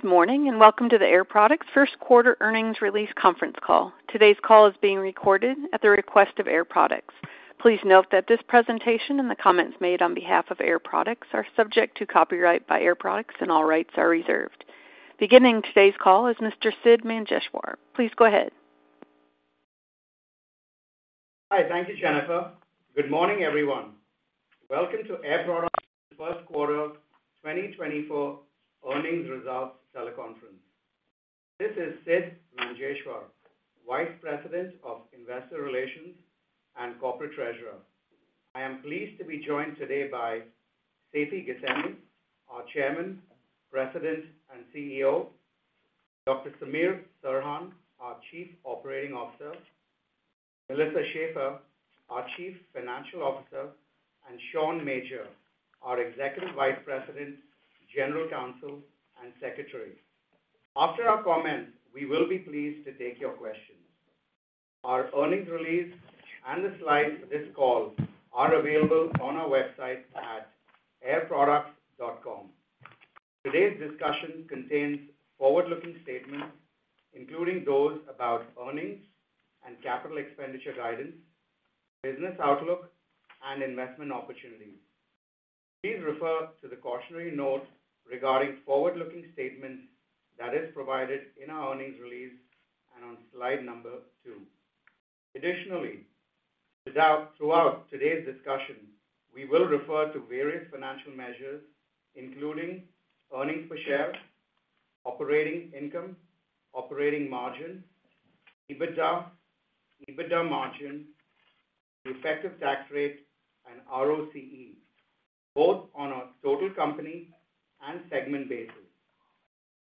Good morning, and welcome to the Air Products first quarter Earnings Release Conference Call. Today's call is being recorded at the request of Air Products. Please note that this presentation and the comments made on behalf of Air Products are subject to copyright by Air Products, and all rights are reserved. Beginning today's call is Mr. Sidd Manjeshwar. Please go ahead. Hi. Thank you, Jennifer. Good morning, everyone. Welcome to Air Products first quarter 2024 earnings results teleconference. This is Sidd Manjeshwar, Vice President of Investor Relations and Corporate Treasurer. I am pleased to be joined today by Seifi Ghasemi, our Chairman, President, and CEO; Dr. Samir Serhan, our Chief Operating Officer; Melissa Schaeffer, our Chief Financial Officer; and Sean Major, our Executive Vice President, General Counsel, and Secretary. After our comments, we will be pleased to take your questions. Our earnings release and the slides for this call are available on our website at airproducts.com. Today's discussion contains forward-looking statements, including those about earnings and capital expenditure guidance, business outlook, and investment opportunities. Please refer to the cautionary note regarding forward-looking statements that is provided in our earnings release and on slide number two. Additionally, throughout today's discussion, we will refer to various financial measures, including earnings per share, operating income, operating margin, EBITDA, EBITDA margin, effective tax rate, and ROCE, both on a total company and segment basis.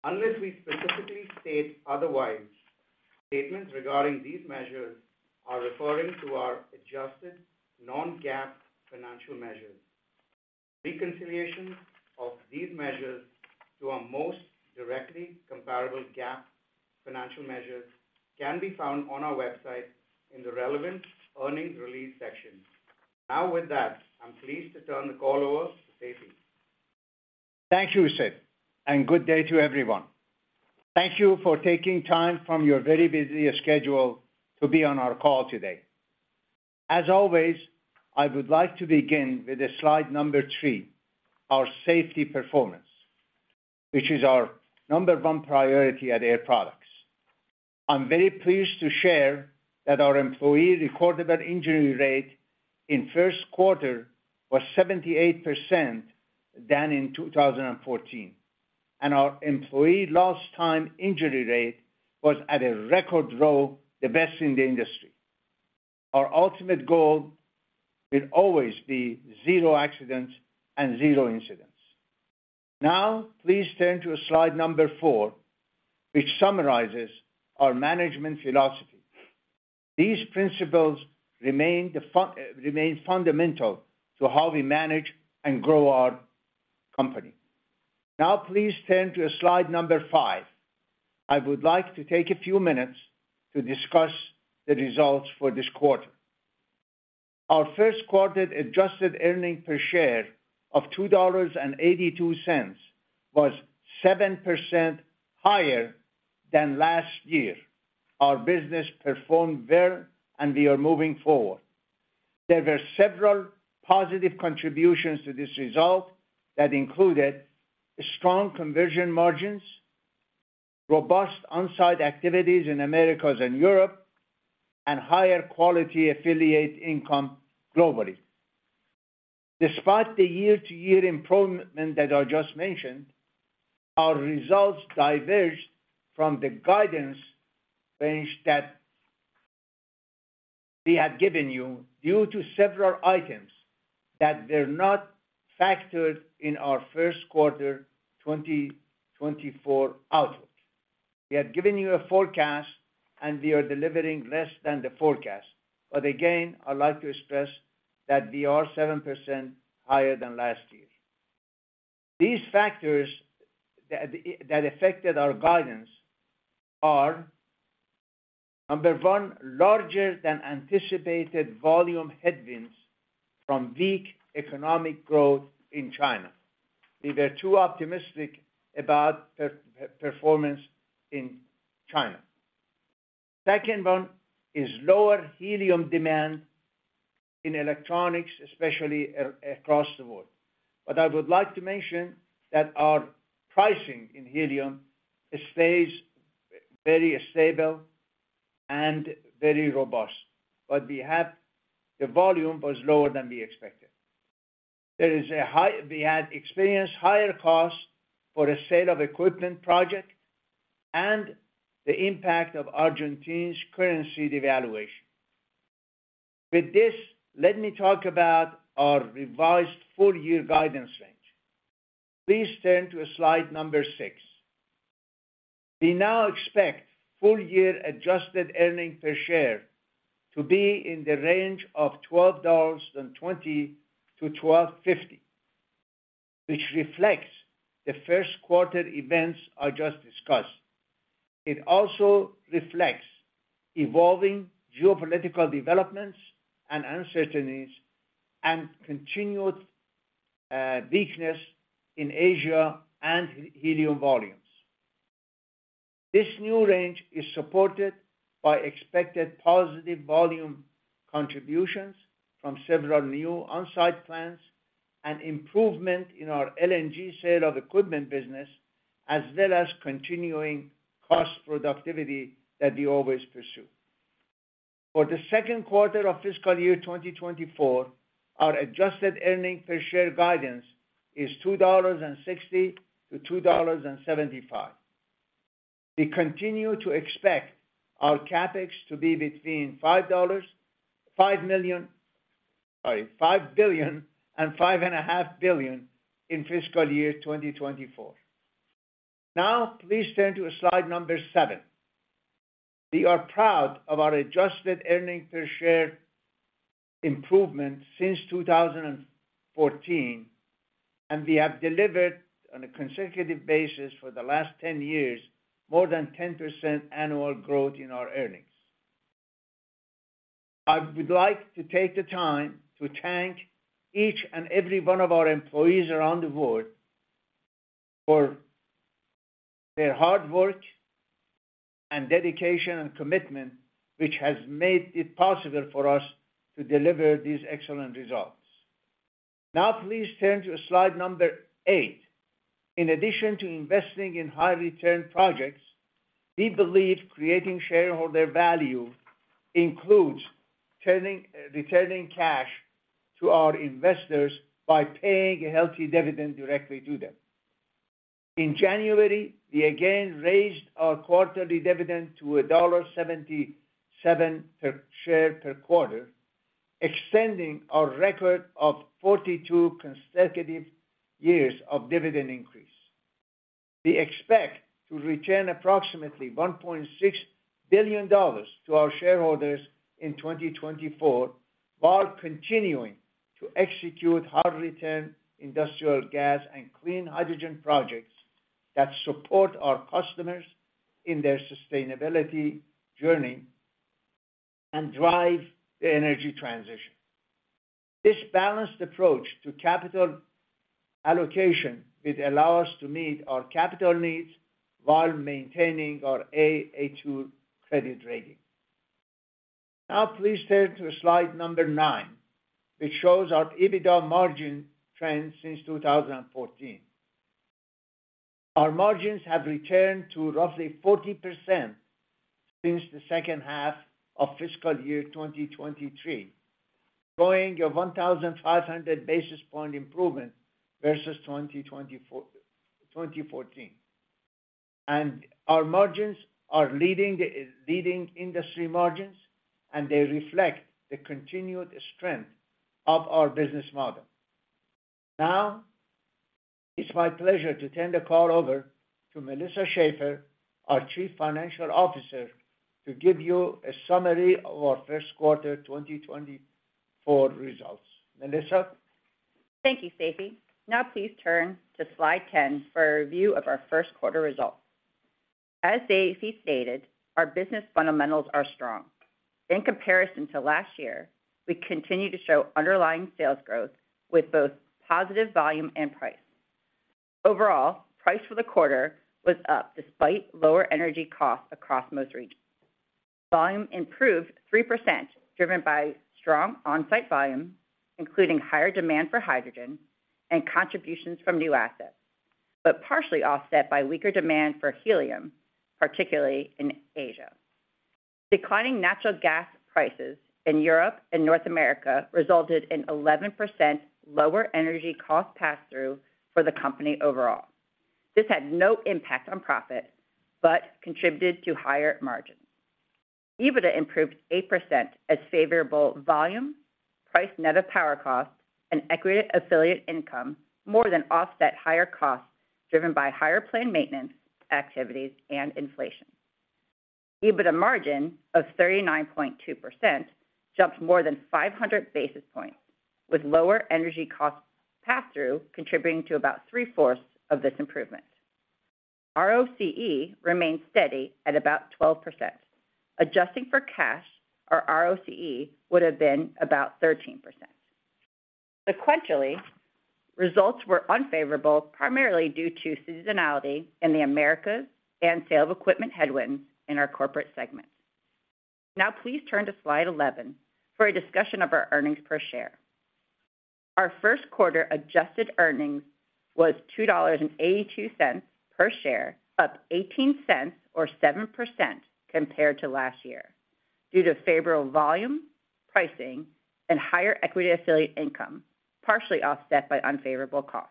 Unless we specifically state otherwise, statements regarding these measures are referring to our adjusted non-GAAP financial measures. Reconciliation of these measures to our most directly comparable GAAP financial measures can be found on our website in the relevant earnings release section. Now, with that, I'm pleased to turn the call over to Seifi. Thank you, Sidd, and good day to everyone. Thank you for taking time from your very busy schedule to be on our call today. As always, I would like to begin with the slide number three, our safety performance, which is our number one priority at Air Products. I'm very pleased to share that our employee recordable injury rate in first quarter was 78% than in 2014, and our employee lost time injury rate was at a record low, the best in the industry. Our ultimate goal will always be zero accidents and zero incidents. Now, please turn to slide number four, which summarizes our management philosophy. These principles remain fundamental to how we manage and grow our company. Now, please turn to slide number five. I would like to take a few minutes to discuss the results for this quarter. Our first quarter adjusted earnings per share of $2.82 was 7% higher than last year. Our business performed well, and we are moving forward. There were several positive contributions to this result that included strong contribution margins, robust on-site activities in Americas and Europe, and higher quality affiliate income globally. Despite the year-to-year improvement that I just mentioned, our results diverged from the guidance range that we had given you due to several items that were not factored in our first quarter 2024 outlook. We had given you a forecast, and we are delivering less than the forecast, but again, I'd like to express that we are 7% higher than last year. These factors that affected our guidance are, number one, larger than anticipated volume headwinds from weak economic growth in China. We were too optimistic about performance in China. Second one is lower helium demand in electronics, especially across the world. But I would like to mention that our pricing in helium stays very stable and very robust, but we have the volume was lower than we expected. We had experienced higher costs for the sale of equipment project and the impact of Argentina's currency devaluation. With this, let me talk about our revised full-year guidance range. Please turn to slide number six. We now expect full-year adjusted earnings per share to be in the range of $12.20-$12.50, which reflects the first quarter events I just discussed. It also reflects evolving geopolitical developments and uncertainties and continued weakness in Asia and helium volumes. This new range is supported by expected positive volume contributions from several new on-site plants and improvement in our LNG sale of equipment business, as well as continuing cost productivity that we always pursue. For the second quarter of fiscal year 2024, our adjusted earnings per share guidance is $2.60-$2.75. We continue to expect our CapEx to be between $5, 5 million, sorry, $5 billion and $5.5 billion in fiscal year 2024. Now, please turn to slide seven. We are proud of our adjusted earnings per share improvement since 2014, and we have delivered on a consecutive basis for the last 10 years, more than 10% annual growth in our earnings. I would like to take the time to thank each and every one of our employees around the world for their hard work and dedication and commitment, which has made it possible for us to deliver these excellent results. Now, please turn to slide number eight. In addition to investing in high-return projects, we believe creating shareholder value includes turning, returning cash to our investors by paying a healthy dividend directly to them. In January, we again raised our quarterly dividend to $1.77 per share per quarter, extending our record of 42 consecutive years of dividend increase. We expect to return approximately $1.6 billion to our shareholders in 2024, while continuing to execute hard-return industrial gas and clean hydrogen projects that support our customers in their sustainability journey and drive the energy transition. This balanced approach to capital allocation will allow us to meet our capital needs while maintaining our AA2 credit rating. Now, please turn to slide number nine, which shows our EBITDA margin trend since 2014. Our margins have returned to roughly 40% since the second half of fiscal year 2023, showing a 1,500 basis point improvement versus 2024-2014. And our margins are leading the industry margins, and they reflect the continued strength of our business model. Now, it's my pleasure to turn the call over to Melissa Schaeffer, our Chief Financial Officer, to give you a summary of our first quarter 2024 results. Melissa? Thank you, Seifi. Now, please turn to slide 10 for a review of our first quarter results. As Seifi stated, our business fundamentals are strong. In comparison to last year, we continue to show underlying sales growth with both positive volume and price. Overall, price for the quarter was up, despite lower energy costs across most regions. Volume improved 3%, driven by strong on-site volume, including higher demand for hydrogen and contributions from new assets, but partially offset by weaker demand for helium, particularly in Asia. Declining natural gas prices in Europe and North America resulted in 11% lower energy cost pass-through for the company overall. This had no impact on profit, but contributed to higher margins. EBITDA improved 8% as favorable volume, price net of power cost, and equity affiliate income more than offset higher costs, driven by higher planned maintenance, activities, and inflation. EBITDA margin of 39.2% jumped more than 500 basis points, with lower energy cost pass-through, contributing to about three-fourths of this improvement. ROCE remained steady at about 12%. Adjusting for cash, our ROCE would have been about 13%. Sequentially, results were unfavorable, primarily due to seasonality in the Americas and sale of equipment headwinds in our corporate segment. Now, please turn to slide 11 for a discussion of our earnings per share. Our first quarter adjusted earnings was $2.82 per share, up $0.18 or 7% compared to last year, due to favorable volume, pricing, and higher equity affiliate income, partially offset by unfavorable costs.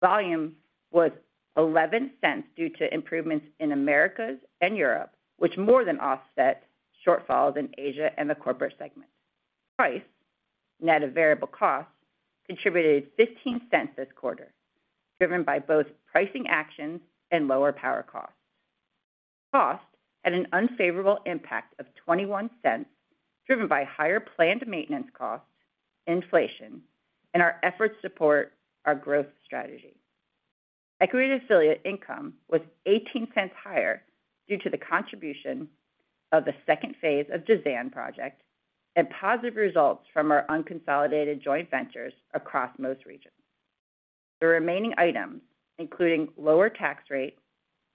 Volume was $0.11 due to improvements in Americas and Europe, which more than offset shortfalls in Asia and the corporate segment. Price, net of variable costs, contributed $0.15 this quarter, driven by both pricing actions and lower power costs. Cost had an unfavorable impact of $0.21, driven by higher planned maintenance costs, inflation, and our efforts to support our growth strategy. Equity affiliate income was $0.18 higher due to the contribution of the second phase of Jazan project, and positive results from our unconsolidated joint ventures across most regions. The remaining items, including lower tax rate,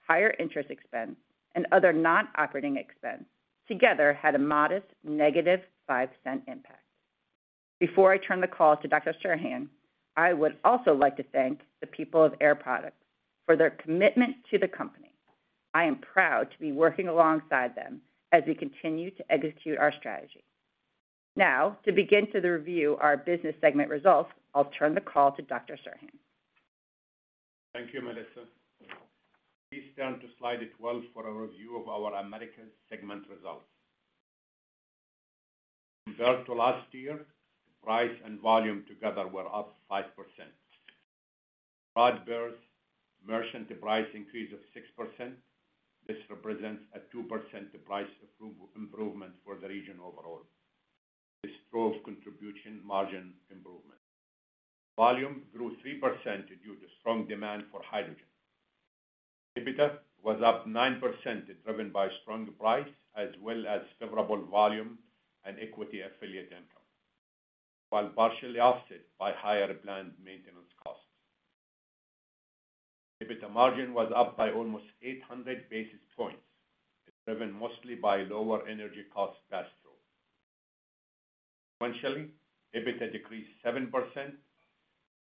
higher interest expense, and other non-operating expense, together had a modest negative $0.05 impact. Before I turn the call to Dr. Serhan, I would also like to thank the people of Air Products for their commitment to the company. I am proud to be working alongside them as we continue to execute our strategy. Now, to begin to the review our business segment results, I'll turn the call to Dr. Serhan. Thank you, Melissa. Please turn to slide 12 for a review of our Americas segment results. Compared to last year, price and volume together were up 5%. Broad-based merchant price increase of 6%, this represents a 2% price approval improvement for the region overall. This drove contribution margin improvement. Volume grew 3% due to strong demand for hydrogen. EBITDA was up 9%, driven by strong price as well as favorable volume and equity affiliate income, while partially offset by higher planned maintenance costs. EBITDA margin was up by almost 800 basis points, driven mostly by lower energy cost pass-through. Sequentially, EBITDA decreased 7%,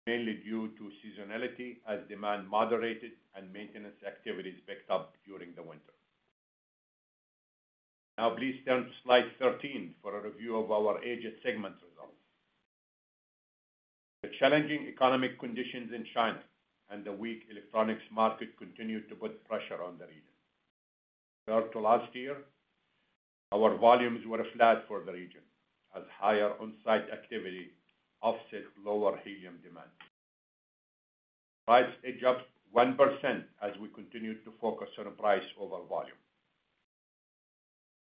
mainly due to seasonality as demand moderated and maintenance activities picked up during the winter. Now, please turn to slide 13 for a review of our Asia segment results. The challenging economic conditions in China and the weak electronics market continued to put pressure on the region. Compared to last year, our volumes were flat for the region as higher on-site activity offset lower helium demand. Prices edged up 1% as we continued to focus on price over volume.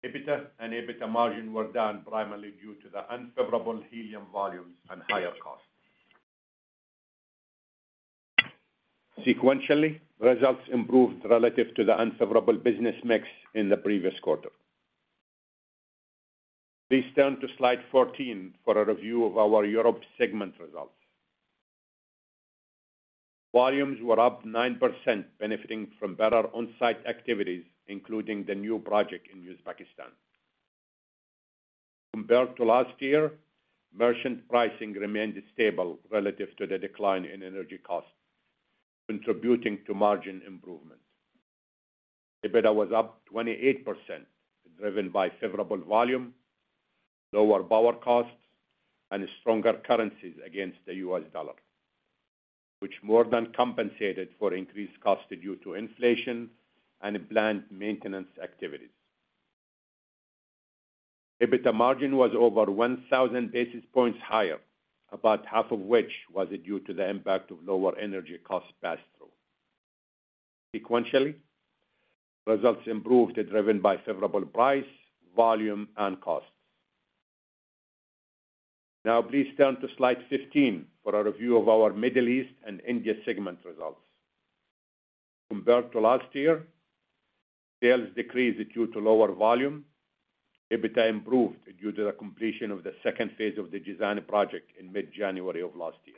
EBITDA and EBITDA margin were down primarily due to the unfavorable helium volumes and higher costs. Sequentially, results improved relative to the unfavorable business mix in the previous quarter. Please turn to slide 14 for a review of our Europe segment results. Volumes were up 9%, benefiting from better on-site activities, including the new project in Uzbekistan. Compared to last year, merchant pricing remained stable relative to the decline in energy costs, contributing to margin improvement. EBITDA was up 28%, driven by favorable volume, lower power costs, and stronger currencies against the U.S. dollar, which more than compensated for increased costs due to inflation and planned maintenance activities. EBITDA margin was over 1,000 basis points higher, about half of which was due to the impact of lower energy costs pass-through. Sequentially, results improved, driven by favorable price, volume, and costs. Now, please turn to slide 15 for a review of our Middle East and India segment results. Compared to last year, sales decreased due to lower volume. EBITDA improved due to the completion of the second phase of the Jazan project in mid-January of last year.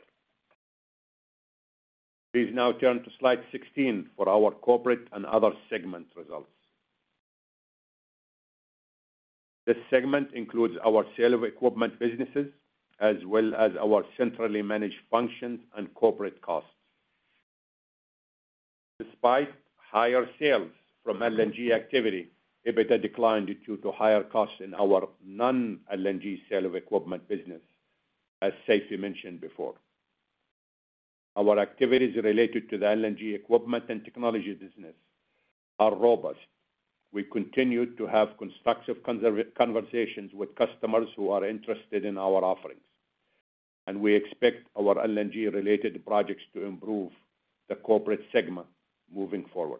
Please now turn to slide 16 for our corporate and other segment results. This segment includes our sale of equipment businesses, as well as our centrally managed functions and corporate costs. Despite higher sales from LNG activity, EBITDA declined due to higher costs in our non-LNG sale of equipment business, as Seifi mentioned before. Our activities related to the LNG equipment and technology business are robust. We continue to have constructive conversations with customers who are interested in our offerings, and we expect our LNG-related projects to improve the corporate segment moving forward.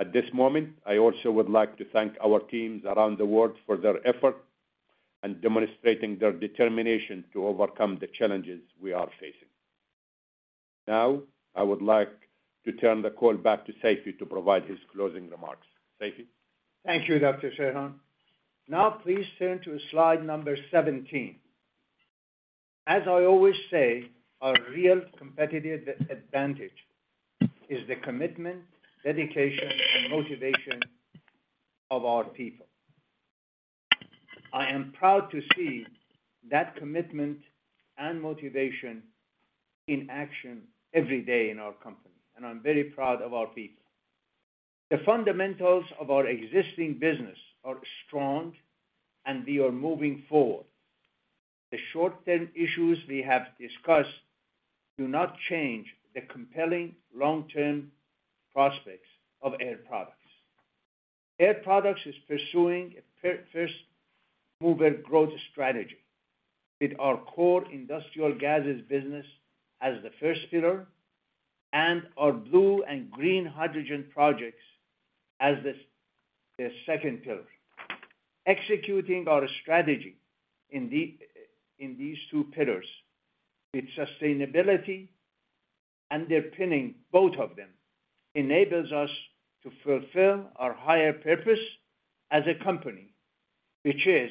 At this moment, I also would like to thank our teams around the world for their effort and demonstrating their determination to overcome the challenges we are facing. Now, I would like to turn the call back to Seifi to provide his closing remarks. Seifi? Thank you, Dr. Serhan. Now, please turn to slide number 17. As I always say, our real competitive advantage is the commitment, dedication, and motivation of our people. I am proud to see that commitment and motivation in action every day in our company, and I'm very proud of our people. The fundamentals of our existing business are strong, and we are moving forward. The short-term issues we have discussed do not change the compelling long-term prospects of Air Products. Air Products is pursuing a first mover growth strategy with our core industrial gases business as the first pillar and our blue and green hydrogen projects as the second pillar. Executing our strategy in these two pillars with sustainability and underpinning both of them enables us to fulfill our higher purpose as a company, which is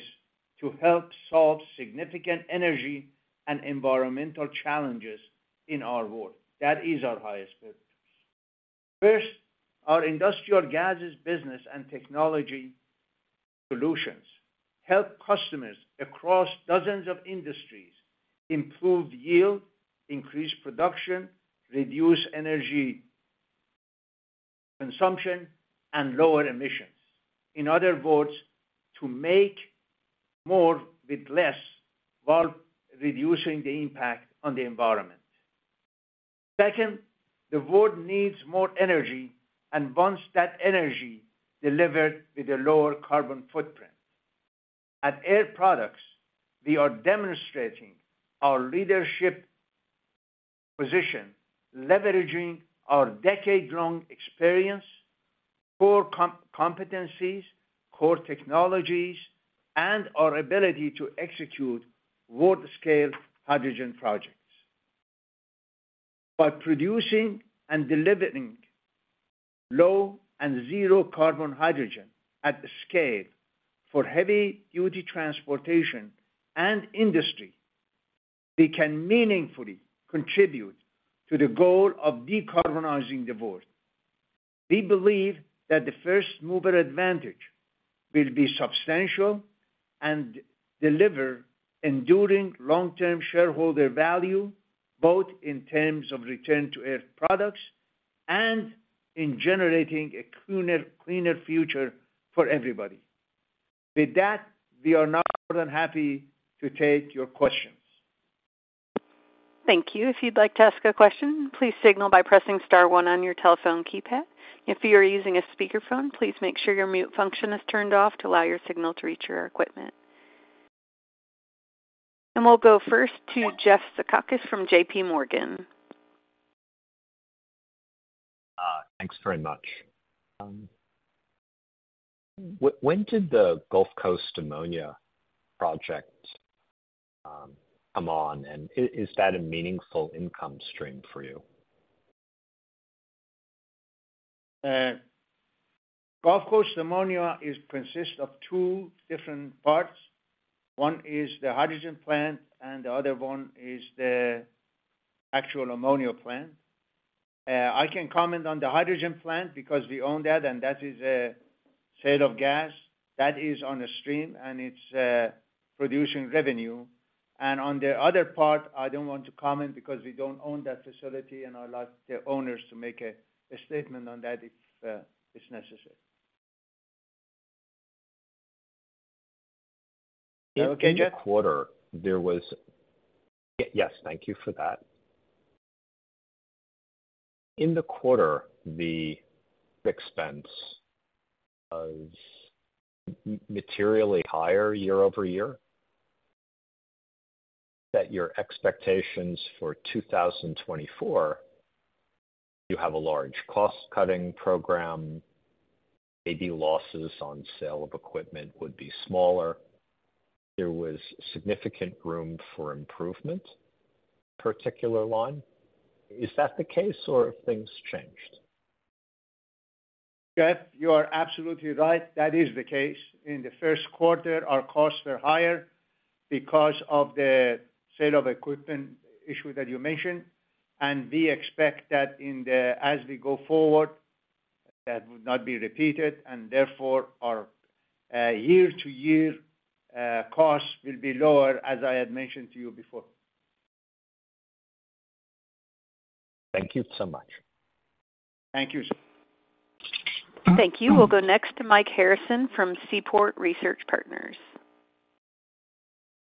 to help solve significant energy and environmental challenges in our world. That is our highest purpose. First, our industrial gases business and technology solutions help customers across dozens of industries improve yield, increase production, reduce energy consumption, and lower emissions. In other words, to make more with less, while reducing the impact on the environment. Second, the world needs more energy and wants that energy delivered with a lower carbon footprint. At Air Products, we are demonstrating our leadership position, leveraging our decade-long experience, core competencies, core technologies, and our ability to execute world-scale hydrogen projects. By producing and delivering low and zero carbon hydrogen at scale for heavy-duty transportation and industry, we can meaningfully contribute to the goal of decarbonizing the world. We believe that the first mover advantage will be substantial and deliver enduring long-term shareholder value, both in terms of return to Air Products and in generating a cleaner, cleaner future for everybody. With that, we are now more than happy to take your questions. Thank you. If you'd like to ask a question, please signal by pressing star one on your telephone keypad. If you are using a speakerphone, please make sure your mute function is turned off to allow your signal to reach our equipment. We'll go first to Jeffrey Zekauskas from JPMorgan. Thanks very much. When did the Gulf Coast Ammonia project come on, and is that a meaningful income stream for you? Gulf Coast Ammonia is consist of two different parts. One is the hydrogen plant, and the other one is the actual ammonia plant. I can comment on the hydrogen plant because we own that, and that is a sale of gas. That is on the stream, and it's producing revenue. On the other part, I don't want to comment because we don't own that facility, and I'd like the owners to make a statement on that if it's necessary. In the Yes, thank you for that. In the quarter, the expense was materially higher year-over-year. That your expectations for 2024, you have a large cost-cutting program. And losses on sale of equipment would be smaller. There was significant room for improvement, particular line. Is that the case or have things changed? Jeff, you are absolutely right. That is the case. In the first quarter, our costs were higher because of the sale of equipment issue that you mentioned, and we expect that in the, as we go forward, that would not be repeated, and therefore our year-to-year costs will be lower, as I had mentioned to you before. Thank you so much. Thank you. Thank you. We'll go next to Mike Harrison from Seaport Research Partners.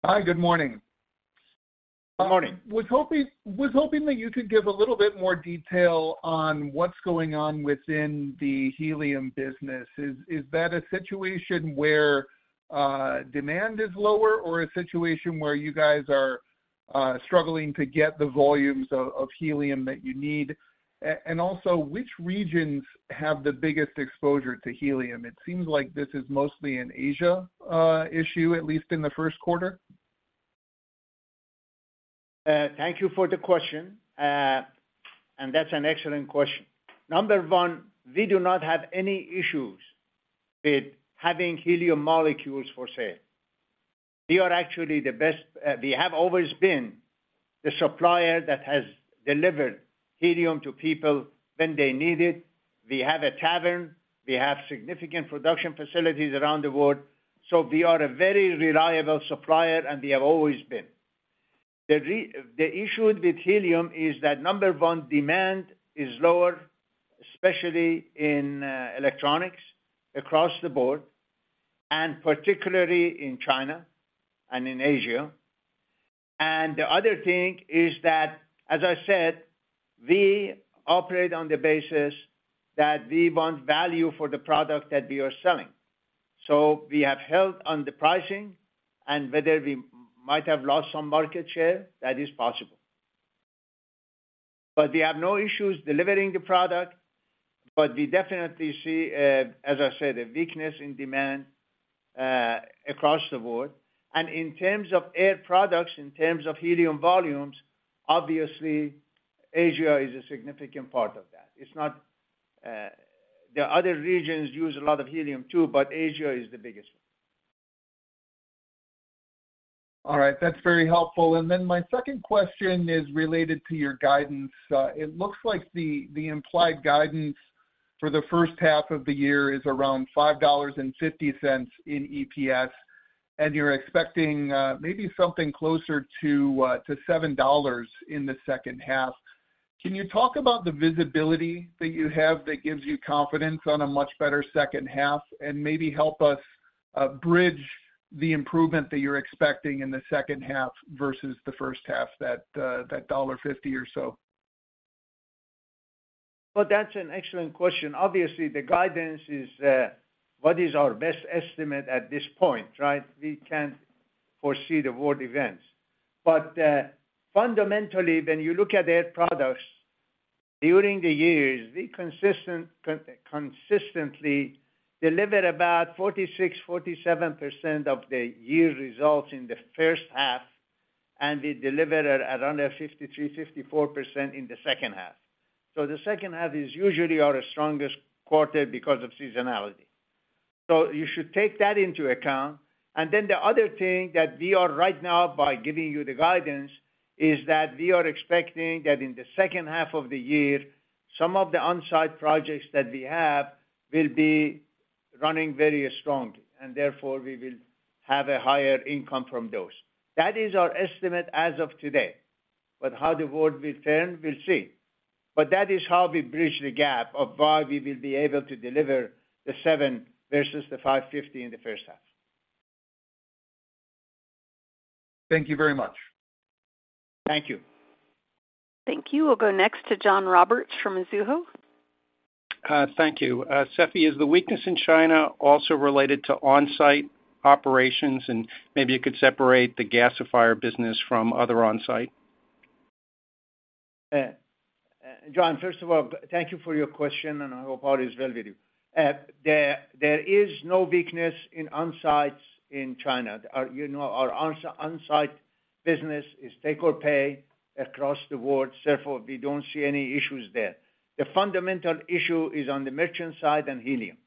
Hi, good morning. Good morning. Was hoping that you could give a little bit more detail on what's going on within the helium business. Is that a situation where demand is lower, or a situation where you guys are struggling to get the volumes of helium that you need? And also, which regions have the biggest exposure to helium? It seems like this is mostly an Asia issue, at least in the first quarter. Thank you for the question. And that's an excellent question. Number one, we do not have any issues with having helium molecules for sale. We are actually the best. We have always been the supplier that has delivered helium to people when they need it. We have a tavern. We have significant production facilities around the world, so we are a very reliable supplier, and we have always been. The issue with helium is that number one, demand is lower, especially in electronics across the board, and particularly in China and in Asia. And the other thing is that, as I said, we operate on the basis that we want value for the product that we are selling. So we have held on the pricing, and whether we might have lost some market share, that is possible. But we have no issues delivering the product, but we definitely see, as I said, a weakness in demand, across the board. And in terms of Air Products, in terms of helium volumes, obviously, Asia is a significant part of that. It's not. The other regions use a lot of helium, too, but Asia is the biggest one. All right. That's very helpful. And then my second question is related to your guidance. It looks like the implied guidance for the first half of the year is around $5.50 in EPS, and you're expecting maybe something closer to $7 in the second half. Can you talk about the visibility that you have that gives you confidence on a much better second half? And maybe help us bridge the improvement that you're expecting in the second half versus the first half, that $1.50 or so. Well, that's an excellent question. Obviously, the guidance is what is our best estimate at this point, right? We can't foresee the world events. But fundamentally, when you look at Air Products, during the years, we consistently deliver about 46%-47% of the year results in the first half, and we deliver it at around 53%-54% in the second half. So the second half is usually our strongest quarter because of seasonality. So you should take that into account. And then the other thing that we are, right now, by giving you the guidance, is that we are expecting that in the second half of the year, some of the on-site projects that we have will be running very strongly, and therefore, we will have a higher income from those. That is our estimate as of today. How the world will turn, we'll see. That is how we bridge the gap of why we will be able to deliver the seven versus the 550 in the first half. Thank you very much. Thank you. Thank you. We'll go next to John Roberts from Mizuho. Thank you. Seifi, is the weakness in China also related to on-site operations? Maybe you could separate the gasifier business from other on-site. John, first of all, thank you for your question, and I hope all is well with you. There is no weakness in on-sites in China. Our, you know, our on-site business is take or pay across the board, therefore, we don't see any issues there. The fundamental issue is on the merchant side and helium,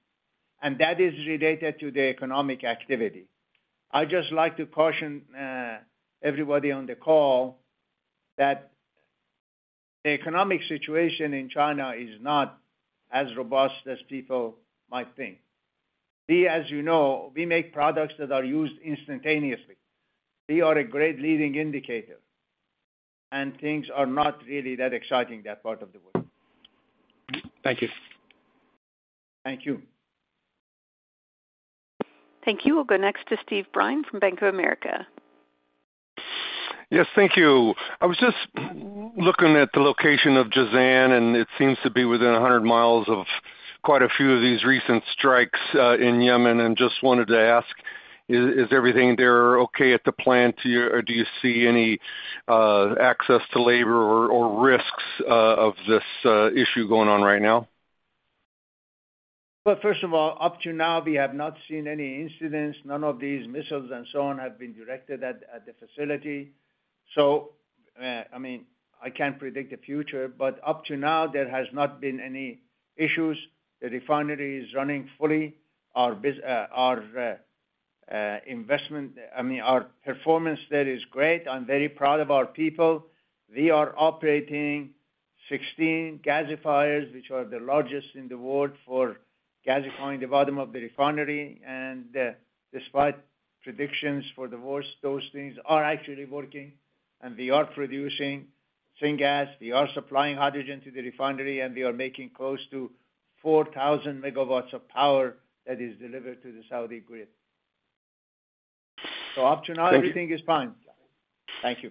and that is related to the economic activity. I'd just like to caution everybody on the call that the economic situation in China is not as robust as people might think. We, as you know, we make products that are used instantaneously. We are a great leading indicator, and things are not really that exciting, that part of the world. Thank you. Thank you. Thank you. We'll go next to Steve Byrne from Bank of America. Yes, thank you. I was just looking at the location of Jazan, and it seems to be within 100 miles of quite a few of these recent strikes in Yemen, and just wanted to ask: Is everything there okay at the plant, or do you see any access to labor or risks of this issue going on right now? Well, first of all, up to now, we have not seen any incidents. None of these missiles and so on have been directed at the facility. So, I mean, I can't predict the future, but up to now, there has not been any issues. The refinery is running fully. Our investment, I mean, our performance there is great. I'm very proud of our people. We are operating 16 gasifiers, which are the largest in the world for gasifying the bottom of the refinery. Despite predictions for the worst, those things are actually working, and we are producing syngas, we are supplying hydrogen to the refinery, and we are making close to 4,000 MW of power that is delivered to the Saudi grid. So up to now. Thank you. Everything is fine. Thank you.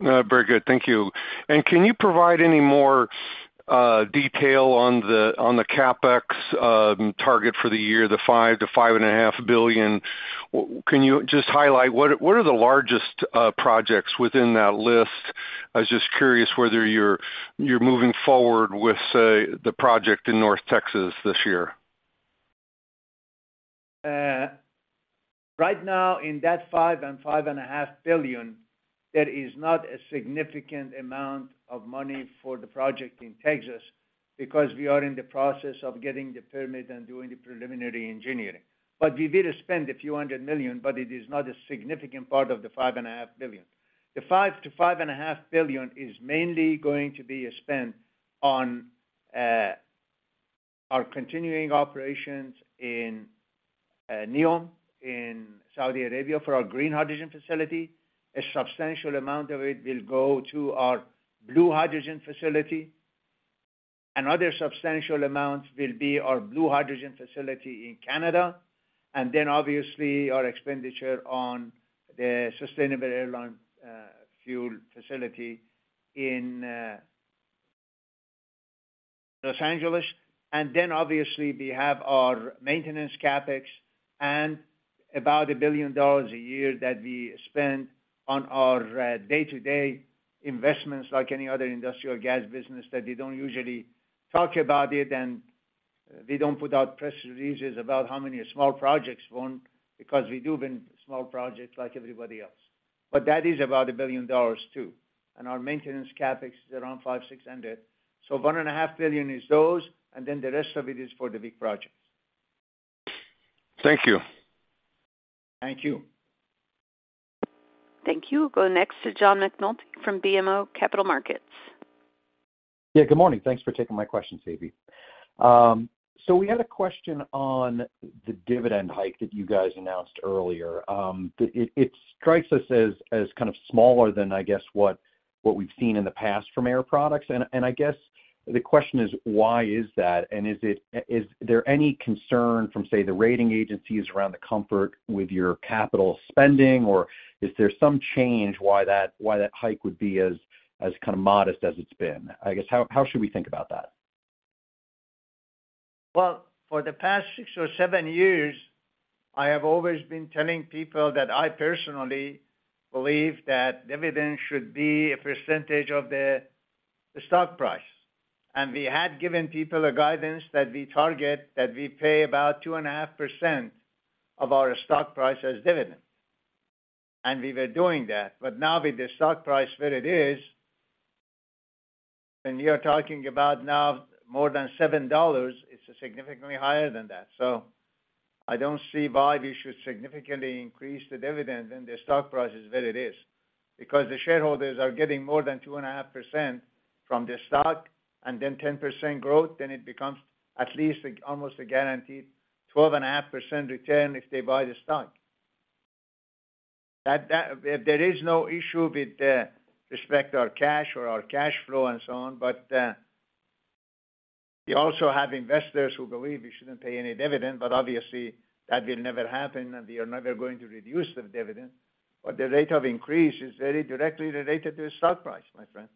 Very good. Thank you. And can you provide any more detail on the CapEx target for the year, the $5 billion-$5.5 billion? Can you just highlight what the largest projects within that list are? I was just curious whether you're moving forward with, say, the project in North Texas this year. Right now, in that $5 billion-$5.5 billion, there is not a significant amount of money for the project in Texas because we are in the process of getting the permit and doing the preliminary engineering. But we will spend a few hundred million, but it is not a significant part of the $5.5 billion. The $5 billion-$5.5 billion is mainly going to be spent on our continuing operations in NEOM, in Saudi Arabia for our green hydrogen facility. A substantial amount of it will go to our blue hydrogen facility. Another substantial amount will be our blue hydrogen facility in Canada, and then obviously, our expenditure on the sustainable airline fuel facility in Los Angeles. Then obviously, we have our maintenance CapEx and about $1 billion a year that we spend on our day-to-day investments, like any other industrial gas business, that they don't usually talk about it, and we don't put out press releases about how many small projects won, because we do win small projects like everybody else. But that is about $1 billion, too. Our maintenance CapEx is around $500 million-$600 million. So $1.5 billion is those, and then the rest of it is for the big projects. Thank you. Thank you. Thank you. We'll go next to John McNulty from BMO Capital Markets. Yeah, good morning. Thanks for taking my question, Seifi. So we had a question on the dividend hike that you guys announced earlier. It strikes us as kind of smaller than, I guess, what we've seen in the past from Air Products. And I guess the question is, why is that? And is there any concern from, say, the rating agencies around the comfort with your capital spending, or is there some change why that hike would be as kind of modest as it's been? I guess how should we think about that? Well, for the past six or seven years, I have always been telling people that I personally believe that dividends should be a percentage of the stock price. And we had given people a guidance that we target, that we pay about 2.5% of our stock price as dividend. And we were doing that, but now with the stock price where it is, and we are talking about now more than $7, it's significantly higher than that. So I don't see why we should significantly increase the dividend, and the stock price is where it is. Because the shareholders are getting more than 2.5% from the stock, and then 10% growth, then it becomes at least almost a guaranteed 12.5% return if they buy the stock. That, that. There is no issue with respect to our cash or our cash flow and so on, but we also have investors who believe we shouldn't pay any dividend, but obviously, that will never happen, and we are never going to reduce the dividend. But the rate of increase is very directly related to the stock price, my friend.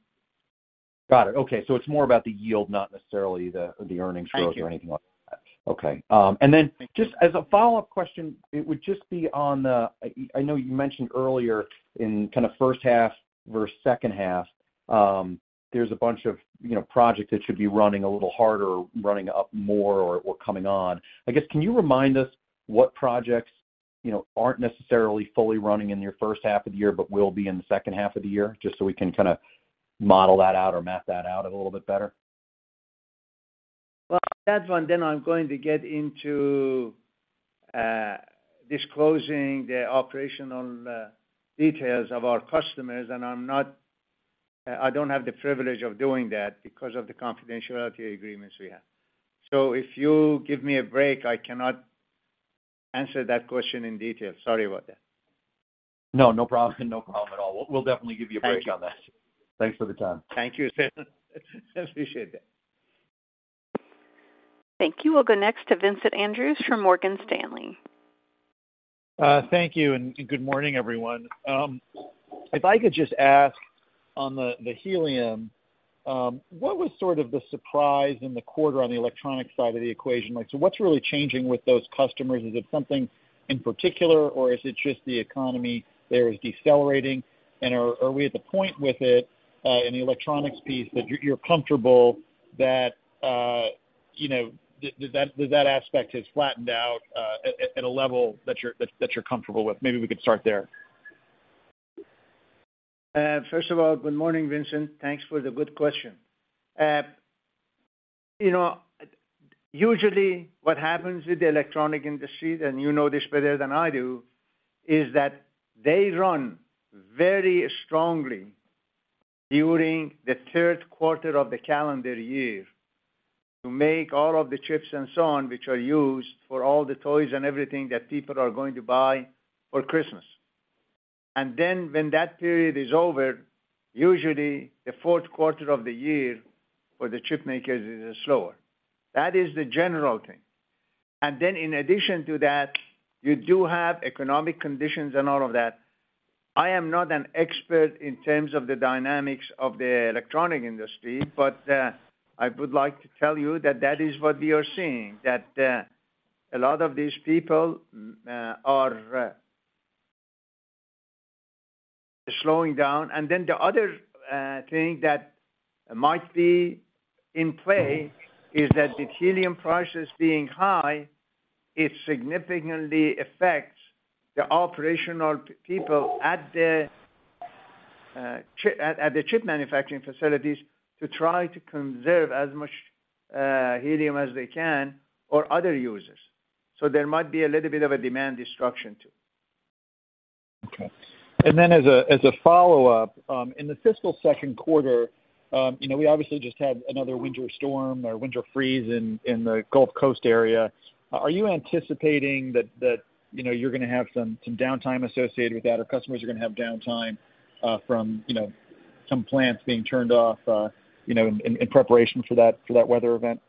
Got it. Okay, so it's more about the yield, not necessarily the, the earnings growth Thank you. or anything like that. Okay. And then just as a follow-up question, it would just be on the, I, I know you mentioned earlier in kind of first half versus second half, there's a bunch of, you know, projects that should be running a little harder, running up more or, or coming on. I guess, can you remind us what projects, you know, aren't necessarily fully running in your first half of the year but will be in the second half of the year, just so we can kind of model that out or map that out a little bit better? Well, that one, then I'm going to get into disclosing the operational details of our customers, and I'm not, I don't have the privilege of doing that because of the confidentiality agreements we have. So if you give me a break, I cannot answer that question in detail. Sorry about that. No, no problem. No problem at all. We'll, we'll definitely give you a break on that. Thank you. Thanks for the time. Thank you. I appreciate that. Thank you. We'll go next to Vincent Andrews from Morgan Stanley. Thank you, and good morning, everyone. If I could just ask on the helium, what was sort of the surprise in the quarter on the electronics side of the equation? Like, so what's really changing with those customers? Is it something in particular, or is it just the economy there is decelerating? And are we at the point with it, in the electronics piece, that you're comfortable that, you know, that aspect has flattened out, at a level that you're comfortable with? Maybe we could start there. First of all, good morning, Vincent. Thanks for the good question. You know, usually what happens with the electronics industry, and you know this better than I do, is that they run very strongly during the third quarter of the calendar year to make all of the chips and so on, which are used for all the toys and everything that people are going to buy for Christmas. And then when that period is over, usually the fourth quarter of the year for the chipmakers is slower. That is the general thing. And then in addition to that, you do have economic conditions and all of that. I am not an expert in terms of the dynamics of the electronics industry, but I would like to tell you that that is what we are seeing, that a lot of these people are slowing down. And then the other thing that might be in play is that with helium prices being high, it significantly affects the operational people at the chip manufacturing facilities to try to conserve as much helium as they can or other users. So there might be a little bit of a demand destruction, too. Okay. And then as a follow-up, in the fiscal second quarter, you know, we obviously just had another winter storm or winter freeze in the Gulf Coast area. Are you anticipating that, you know, you're gonna have some downtime associated with that, or customers are gonna have downtime from some plants being turned off, you know, in preparation for that weather event?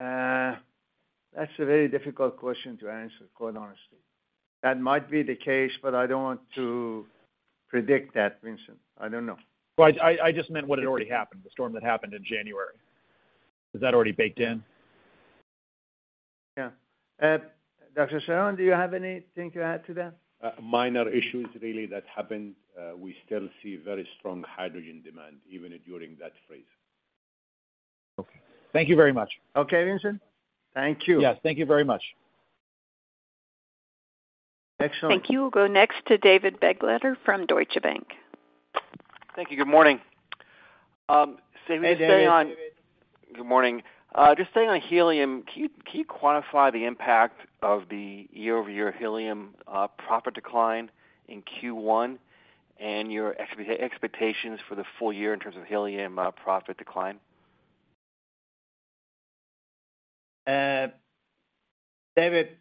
That's a very difficult question to answer, quite honestly. That might be the case, but I don't want to predict that, Vincent. I don't know. Well, I just meant what had already happened, the storm that happened in January. Is that already baked in? Yeah. Dr. Serhan, do you have anything to add to that? Minor issues really that happened. We still see very strong hydrogen demand, even during that phase. Okay. Thank you very much. Okay, Vincent. Thank you. Yes, thank you very much. Excellent. Thank you. We'll go next to David Begleiter from Deutsche Bank. Thank you. Good morning. So staying on Hey, David. Good morning. Just staying on helium, can you quantify the impact of the year-over-year helium profit decline in Q1 and your expectations for the full-year in terms of helium profit decline? David,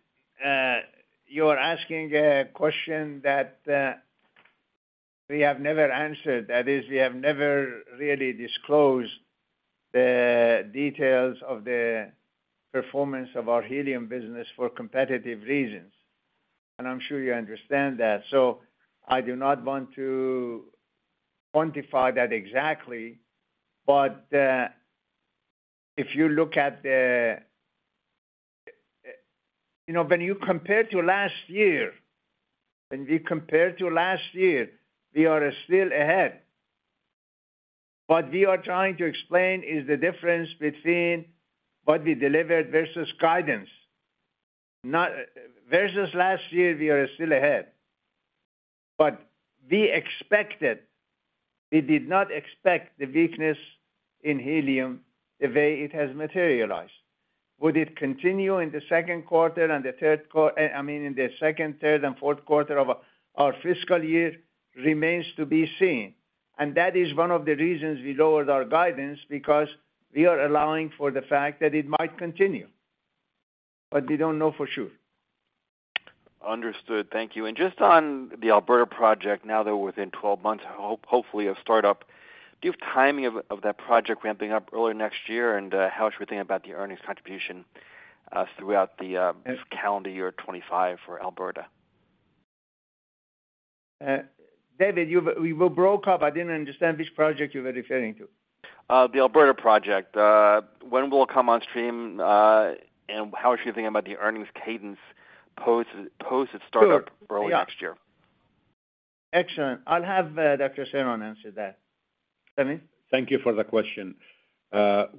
you're asking a question that, we have never answered. That is, we have never really disclosed the details of the performance of our helium business for competitive reasons, and I'm sure you understand that. So I do not want to quantify that exactly. But, if you look at the, You know, when you compare to last year, when we compare to last year, we are still ahead. What we are trying to explain is the difference between what we delivered versus guidance. Not, versus last year, we are still ahead. But we expected, we did not expect the weakness in helium, the way it has materialized. Would it continue in the second quarter and the third quarter, I mean, in the second, third, and fourth quarter of our fiscal year? Remains to be seen. That is one of the reasons we lowered our guidance, because we are allowing for the fact that it might continue, but we don't know for sure. Understood. Thank you. And just on the Alberta project, now that we're within 12 months, hopefully, of startup, do you have timing of that project ramping up early next year? And how should we think about the earnings contribution throughout this calendar year 2025 for Alberta? David, you’ve, we were broken up. I didn’t understand which project you were referring to. The Alberta project. When will it come on stream, and how should you think about the earnings cadence post its startup? Sure early next year? Excellent. I'll have Dr. Serhan answer that. Samir? Thank you for the question.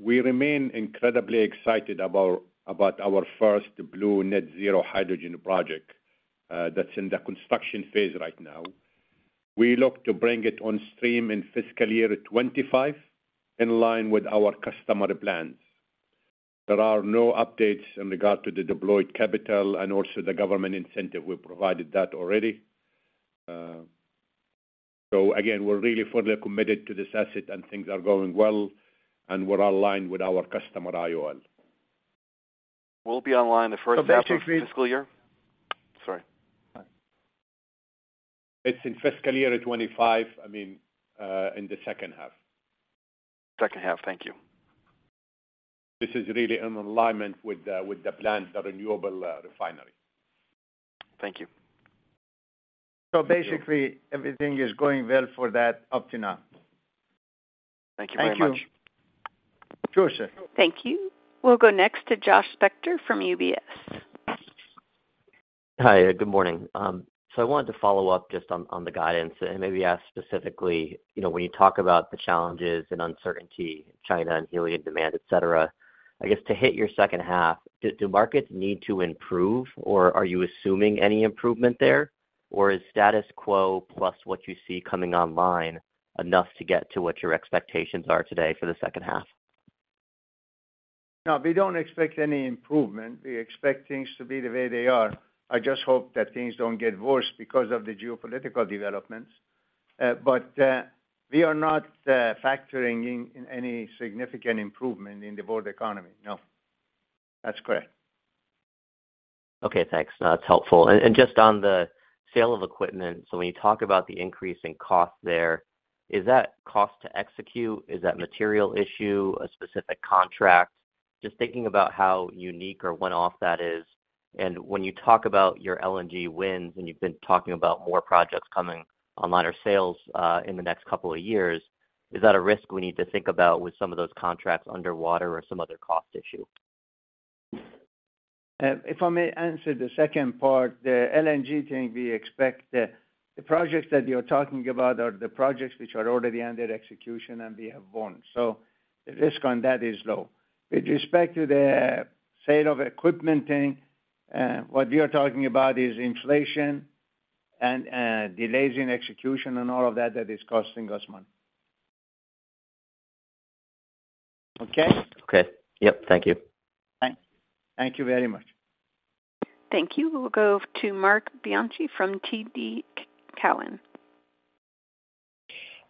We remain incredibly excited about, about our first blue net zero hydrogen project, that's in the construction phase right now. We look to bring it on stream in fiscal year 2025, in line with our customer plans. There are no updates in regard to the deployed capital and also the government incentive. We provided that already. So again, we're really fully committed to this asset, and things are going well, and we're aligned with our customer, Imperial Oil. Will it be online the first half of fiscal year? Sorry. It's in fiscal year 2025. I mean, in the second half. Second half. Thank you. This is really in alignment with the plant, the renewable refinery. Thank you. So basically, everything is going well for that up to now. Thank you very much. Thank you. Sure, sir. Thank you. We'll go next to Josh Spector from UBS. Hi, good morning. So I wanted to follow up just on, on the guidance and maybe ask specifically, you know, when you talk about the challenges and uncertainty in China and helium demand, et cetera. I guess to hit your second half, do markets need to improve, or are you assuming any improvement there? Or is status quo plus what you see coming online enough to get to what your expectations are today for the second half? No, we don't expect any improvement. We expect things to be the way they are. I just hope that things don't get worse because of the geopolitical developments. But, we are not factoring in any significant improvement in the world economy. No, that's correct. Okay, thanks. That's helpful. And just on the sale of equipment, so when you talk about the increase in cost there, is that cost to execute? Is that material issue, a specific contract? Just thinking about how unique or one-off that is. And when you talk about your LNG wins, and you've been talking about more projects coming online or sales, in the next couple of years, is that a risk we need to think about with some of those contracts underwater or some other cost issue? If I may answer the second part, the LNG thing, we expect the projects that you're talking about are the projects which are already under execution, and we have won. So the risk on that is low. With respect to the sale of equipment thing, what we are talking about is inflation and delays in execution and all of that, that is costing us money. Okay? Okay. Yep. Thank you. Thank you very much. Thank you. We'll go to Marc Bianchi from TD Cowen.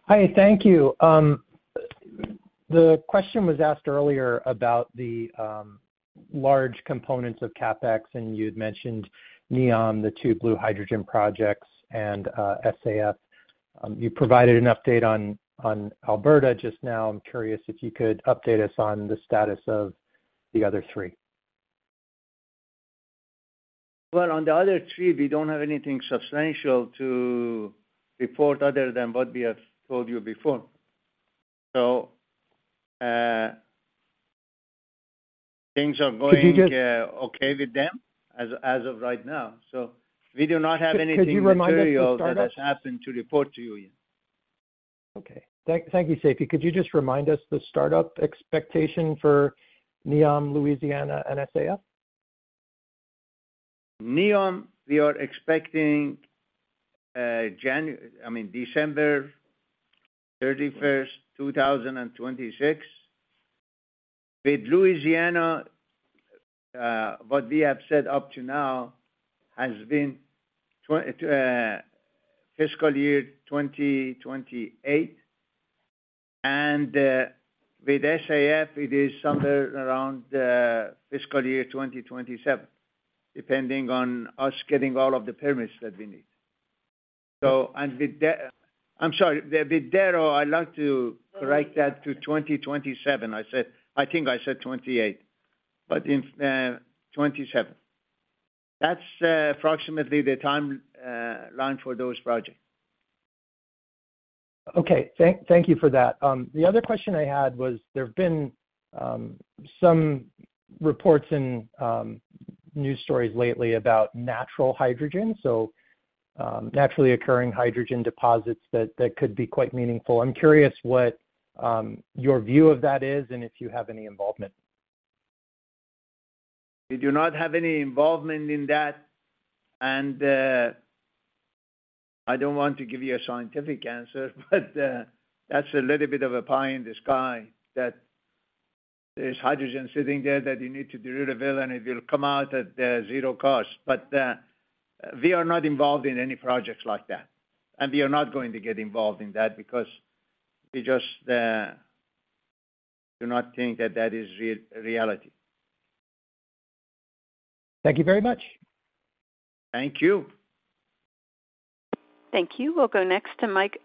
Hi, thank you. The question was asked earlier about the large components of CapEx, and you'd mentioned NEOM, the two blue hydrogen projects and SAF. You provided an update on Alberta just now. I'm curious if you could update us on the status of the other three. Well, on the other three, we don't have anything substantial to report other than what we have told you before. So, things are going okay with them as of right now. So we do not have anything material Could you remind us the startup? that has happened to report to you yet. Okay. Thank, thank you, Seifi. Could you just remind us the startup expectation for NEOM, Louisiana, and SAF? NEOM, we are expecting, I mean, December 31st, 2026. With Louisiana, what we have said up to now has been fiscal year 2028. And, with SAF, it is somewhere around, fiscal year 2027, depending on us getting all of the permits that we need. So and with Darrow, I'm sorry, with Darrow, I'd like to correct that to 2027. I said I think I said '2028, but it's, 2027. That's, approximately the timeline, for those projects. Okay. Thank you for that. The other question I had was: there have been some reports and news stories lately about natural hydrogen, so naturally occurring hydrogen deposits that could be quite meaningful. I'm curious what your view of that is, and if you have any involvement. We do not have any involvement in that, and I don't want to give you a scientific answer, but that's a little bit of a pie in the sky, that there's hydrogen sitting there that you need to get rid of it, and it will come out at zero cost. But we are not involved in any projects like that, and we are not going to get involved in that because we just do not think that that is reality. Thank you very much. Thank you. Thank you. We'll go next to Michael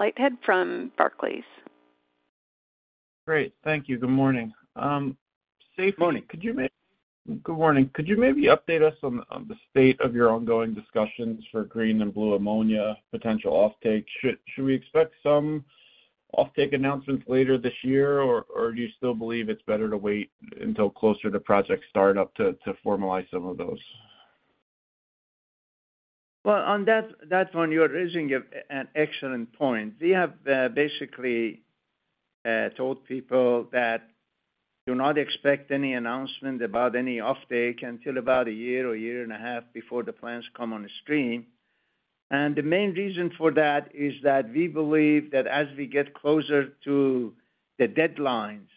Leithead from Barclays. Great. Thank you. Good morning. Seifi Good morning. Good morning. Could you maybe update us on the state of your ongoing discussions for green and blue ammonia potential offtake? Should we expect some offtake announcements later this year, or do you still believe it's better to wait until closer to project startup to formalize some of those? Well, on that, that one, you're raising a, an excellent point. We have, basically, told people that do not expect any announcement about any offtake until about a year or a year and a half before the plans come on the stream. And the main reason for that is that we believe that as we get closer to the deadlines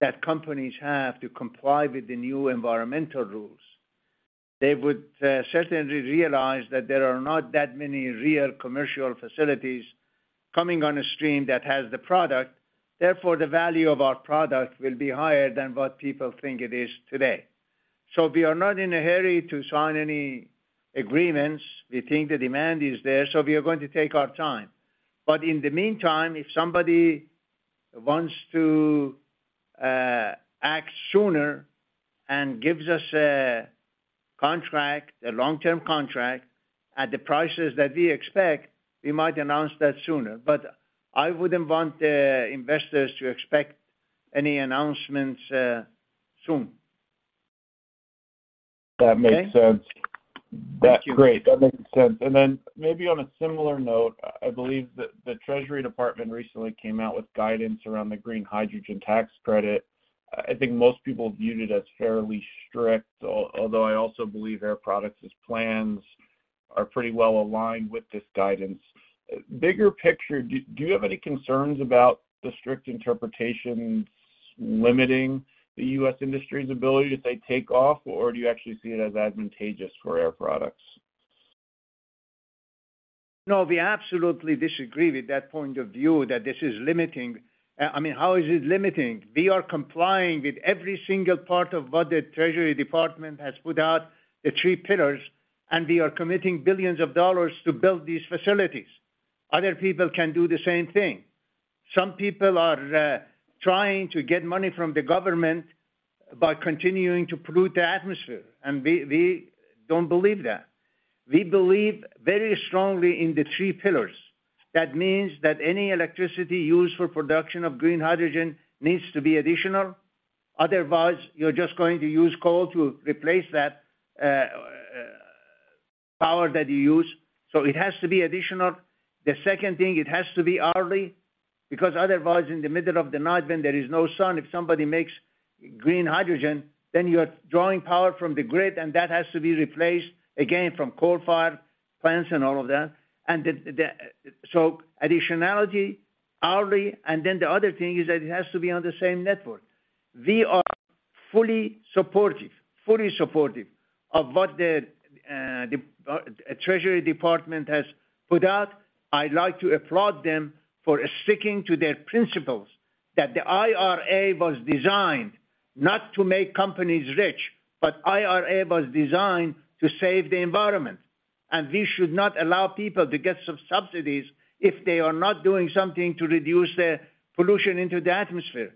that companies have to comply with the new environmental rules, they would, certainly realize that there are not that many real commercial facilities coming on a stream that has the product. Therefore, the value of our product will be higher than what people think it is today. So we are not in a hurry to sign any agreements. We think the demand is there, so we are going to take our time. But in the meantime, if somebody wants to act sooner and gives us a contract, a long-term contract, at the prices that we expect, we might announce that sooner. But I wouldn't want investors to expect any announcements soon. That makes sense. Okay? Thank you. That's great. That makes sense. And then maybe on a similar note, I believe that the Treasury Department recently came out with guidance around the green hydrogen tax credit. I think most people viewed it as fairly strict, although I also believe Air Products' plans are pretty well aligned with this guidance. Bigger picture, do you have any concerns about the strict interpretations limiting the U.S. industry's ability as they take off, or do you actually see it as advantageous for Air Products? No, we absolutely disagree with that point of view that this is limiting. I mean, how is it limiting? We are complying with every single part of what the Treasury Department has put out, the three pillars, and we are committing billions of dollars to build these facilities. Other people can do the same thing. Some people are trying to get money from the government by continuing to pollute the atmosphere, and we, we don't believe that. We believe very strongly in the three pillars. That means that any electricity used for production of green hydrogen needs to be additional. Otherwise, you're just going to use coal to replace that power that you use, so it has to be additional. The second thing, it has to be hourly, because otherwise, in the middle of the night when there is no sun, if somebody makes green hydrogen, then you are drawing power from the grid, and that has to be replaced, again, from coal-fired plants and all of that. So additionality, hourly, and then the other thing is that it has to be on the same network. We are fully supportive, fully supportive of what the Treasury Department has put out. I'd like to applaud them for sticking to their principles, that the IRA was designed not to make companies rich, but IRA was designed to save the environment, and we should not allow people to get some subsidies if they are not doing something to reduce the pollution into the atmosphere.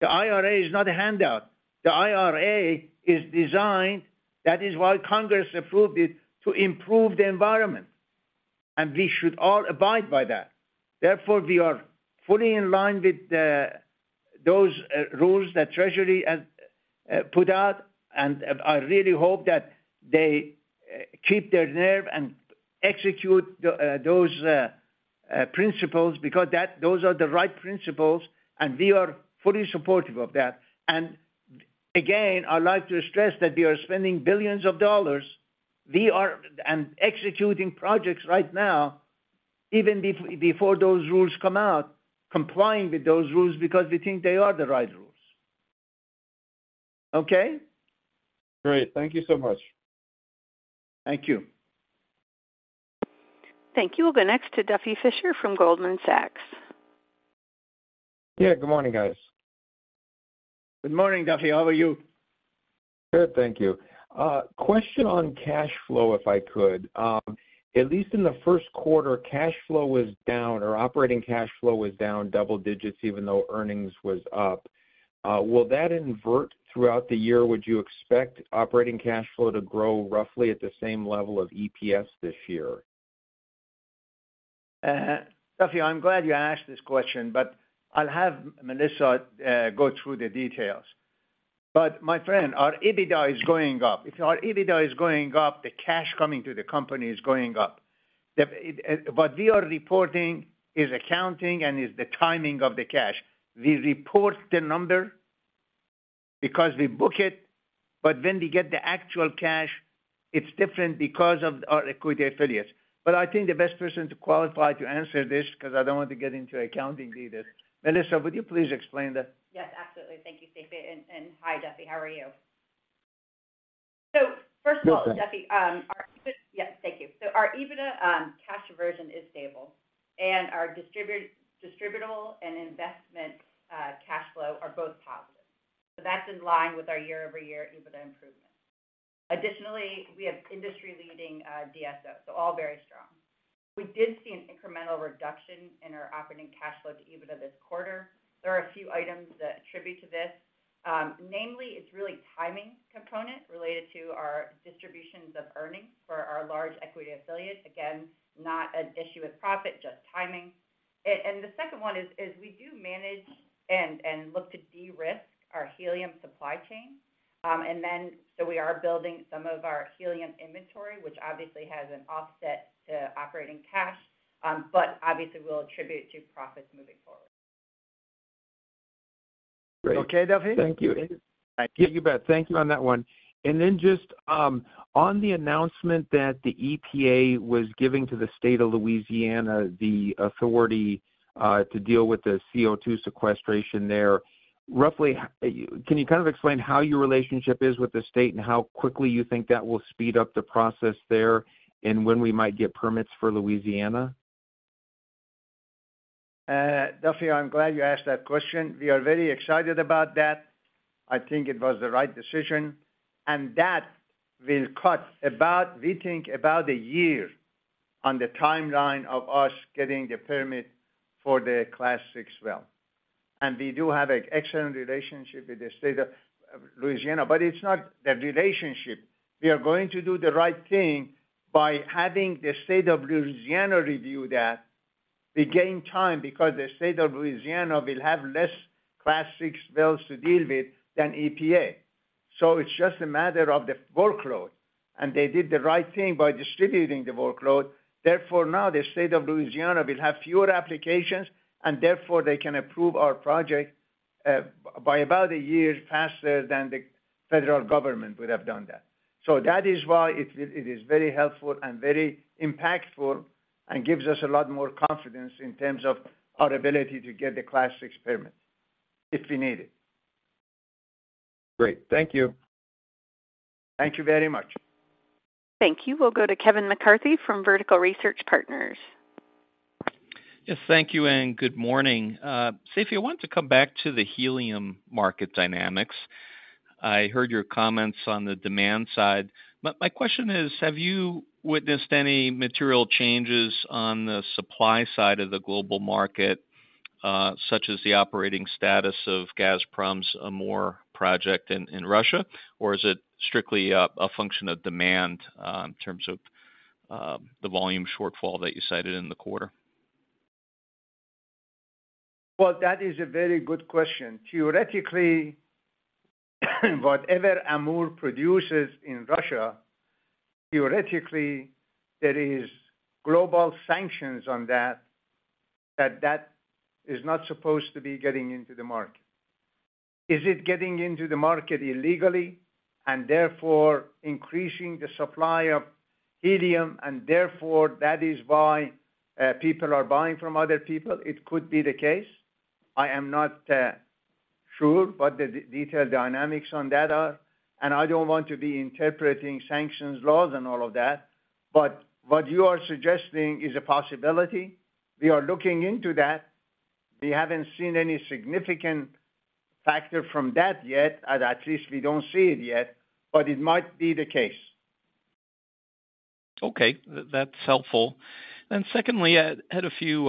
The IRA is not a handout. The IRA is designed, that is why Congress approved it, to improve the environment, and we should all abide by that. Therefore, we are fully in line with the, those, rules that Treasury has put out, and, and I really hope that they keep their nerve and execute the, those, principles, because those are the right principles, and we are fully supportive of that. And, again, I'd like to stress that we are spending billions of dollars. We are, and executing projects right now, even before those rules come out, complying with those rules because we think they are the right rules. Okay? Great. Thank you so much. Thank you. Thank you. We'll go next to Duffy Fischer from Goldman Sachs. Yeah, good morning, guys. Good morning, Duffy. How are you? Good, thank you. Question on cash flow, if I could. At least in the first quarter, cash flow was down, or operating cash flow was down double digits, even though earnings was up. Will that invert throughout the year? Would you expect operating cash flow to grow roughly at the same level of EPS this year? Duffy, I'm glad you asked this question, but I'll have Melissa go through the details. But my friend, our EBITDA is going up. If our EBITDA is going up, the cash coming to the company is going up. The... What we are reporting is accounting and is the timing of the cash. We report the number because we book it, but when we get the actual cash, it's different because of our equity affiliates. But I think the best person to qualify to answer this, because I don't want to get into accounting details. Melissa, would you please explain that? Yes, absolutely. Thank you, Seifi. And hi, Duffy, how are you? So first of all, Duffy, our Good, thank you. Yes, thank you. So our EBITDA cash version is stable, and our distributable and investment cash flow are both positive. So that's in line with our year-over-year EBITDA improvement. Additionally, we have industry-leading DSO, so all very strong. We did see an incremental reduction in our operating cash flow to EBITDA this quarter. There are a few items that attribute to this. Namely, it's really timing component related to our distributions of earnings for our large equity affiliates. Again, not an issue with profit, just timing. And the second one is we do manage and look to de-risk our helium supply chain. So we are building some of our helium inventory, which obviously has an offset to operating cash, but obviously will attribute to profits moving forward. Great. Okay, Duffy? Thank you. You bet. Thank you on that one. And then just, on the announcement that the EPA was giving to the state of Louisiana, the authority, can you kind of explain how your relationship is with the state and how quickly you think that will speed up the process there, and when we might get permits for Louisiana? Duffy, I'm glad you asked that question. We are very excited about that. I think it was the right decision, and that will cut about, we think about a year on the timeline of us getting the permit for the Class VI well. And we do have an excellent relationship with the state of Louisiana, but it's not the relationship. We are going to do the right thing by having the state of Louisiana review that. We gain time because the state of Louisiana will have less Class VI wells to deal with than EPA. So it's just a matter of the workload, and they did the right thing by distributing the workload. Therefore, now the state of Louisiana will have fewer applications, and therefore they can approve our project, by about a year faster than the federal government would have done that. So that is why it is very helpful and very impactful and gives us a lot more confidence in terms of our ability to get the Class VI permit, if we need it. Great. Thank you. Thank you very much. Thank you. We'll go to Kevin McCarthy from Vertical Research Partners. Yes, thank you, and good morning. Seifi, I want to come back to the helium market dynamics. I heard your comments on the demand side, but my question is: have you witnessed any material changes on the supply side of the global market, such as the operating status of Gazprom's Amur project in Russia? Or is it strictly a function of demand, in terms of the volume shortfall that you cited in the quarter? Well, that is a very good question. Theoretically, whatever Amur produces in Russia, theoretically, there is global sanctions on that, that is not supposed to be getting into the market. Is it getting into the market illegally and therefore increasing the supply of helium, and therefore that is why people are buying from other people? It could be the case. I am not sure what the detailed dynamics on that are, and I don't want to be interpreting sanctions laws and all of that, But what you are suggesting is a possibility. We are looking into that. We haven't seen any significant factor from that yet, at least we don't see it yet, but it might be the case. Okay, that's helpful. And secondly, I had a few,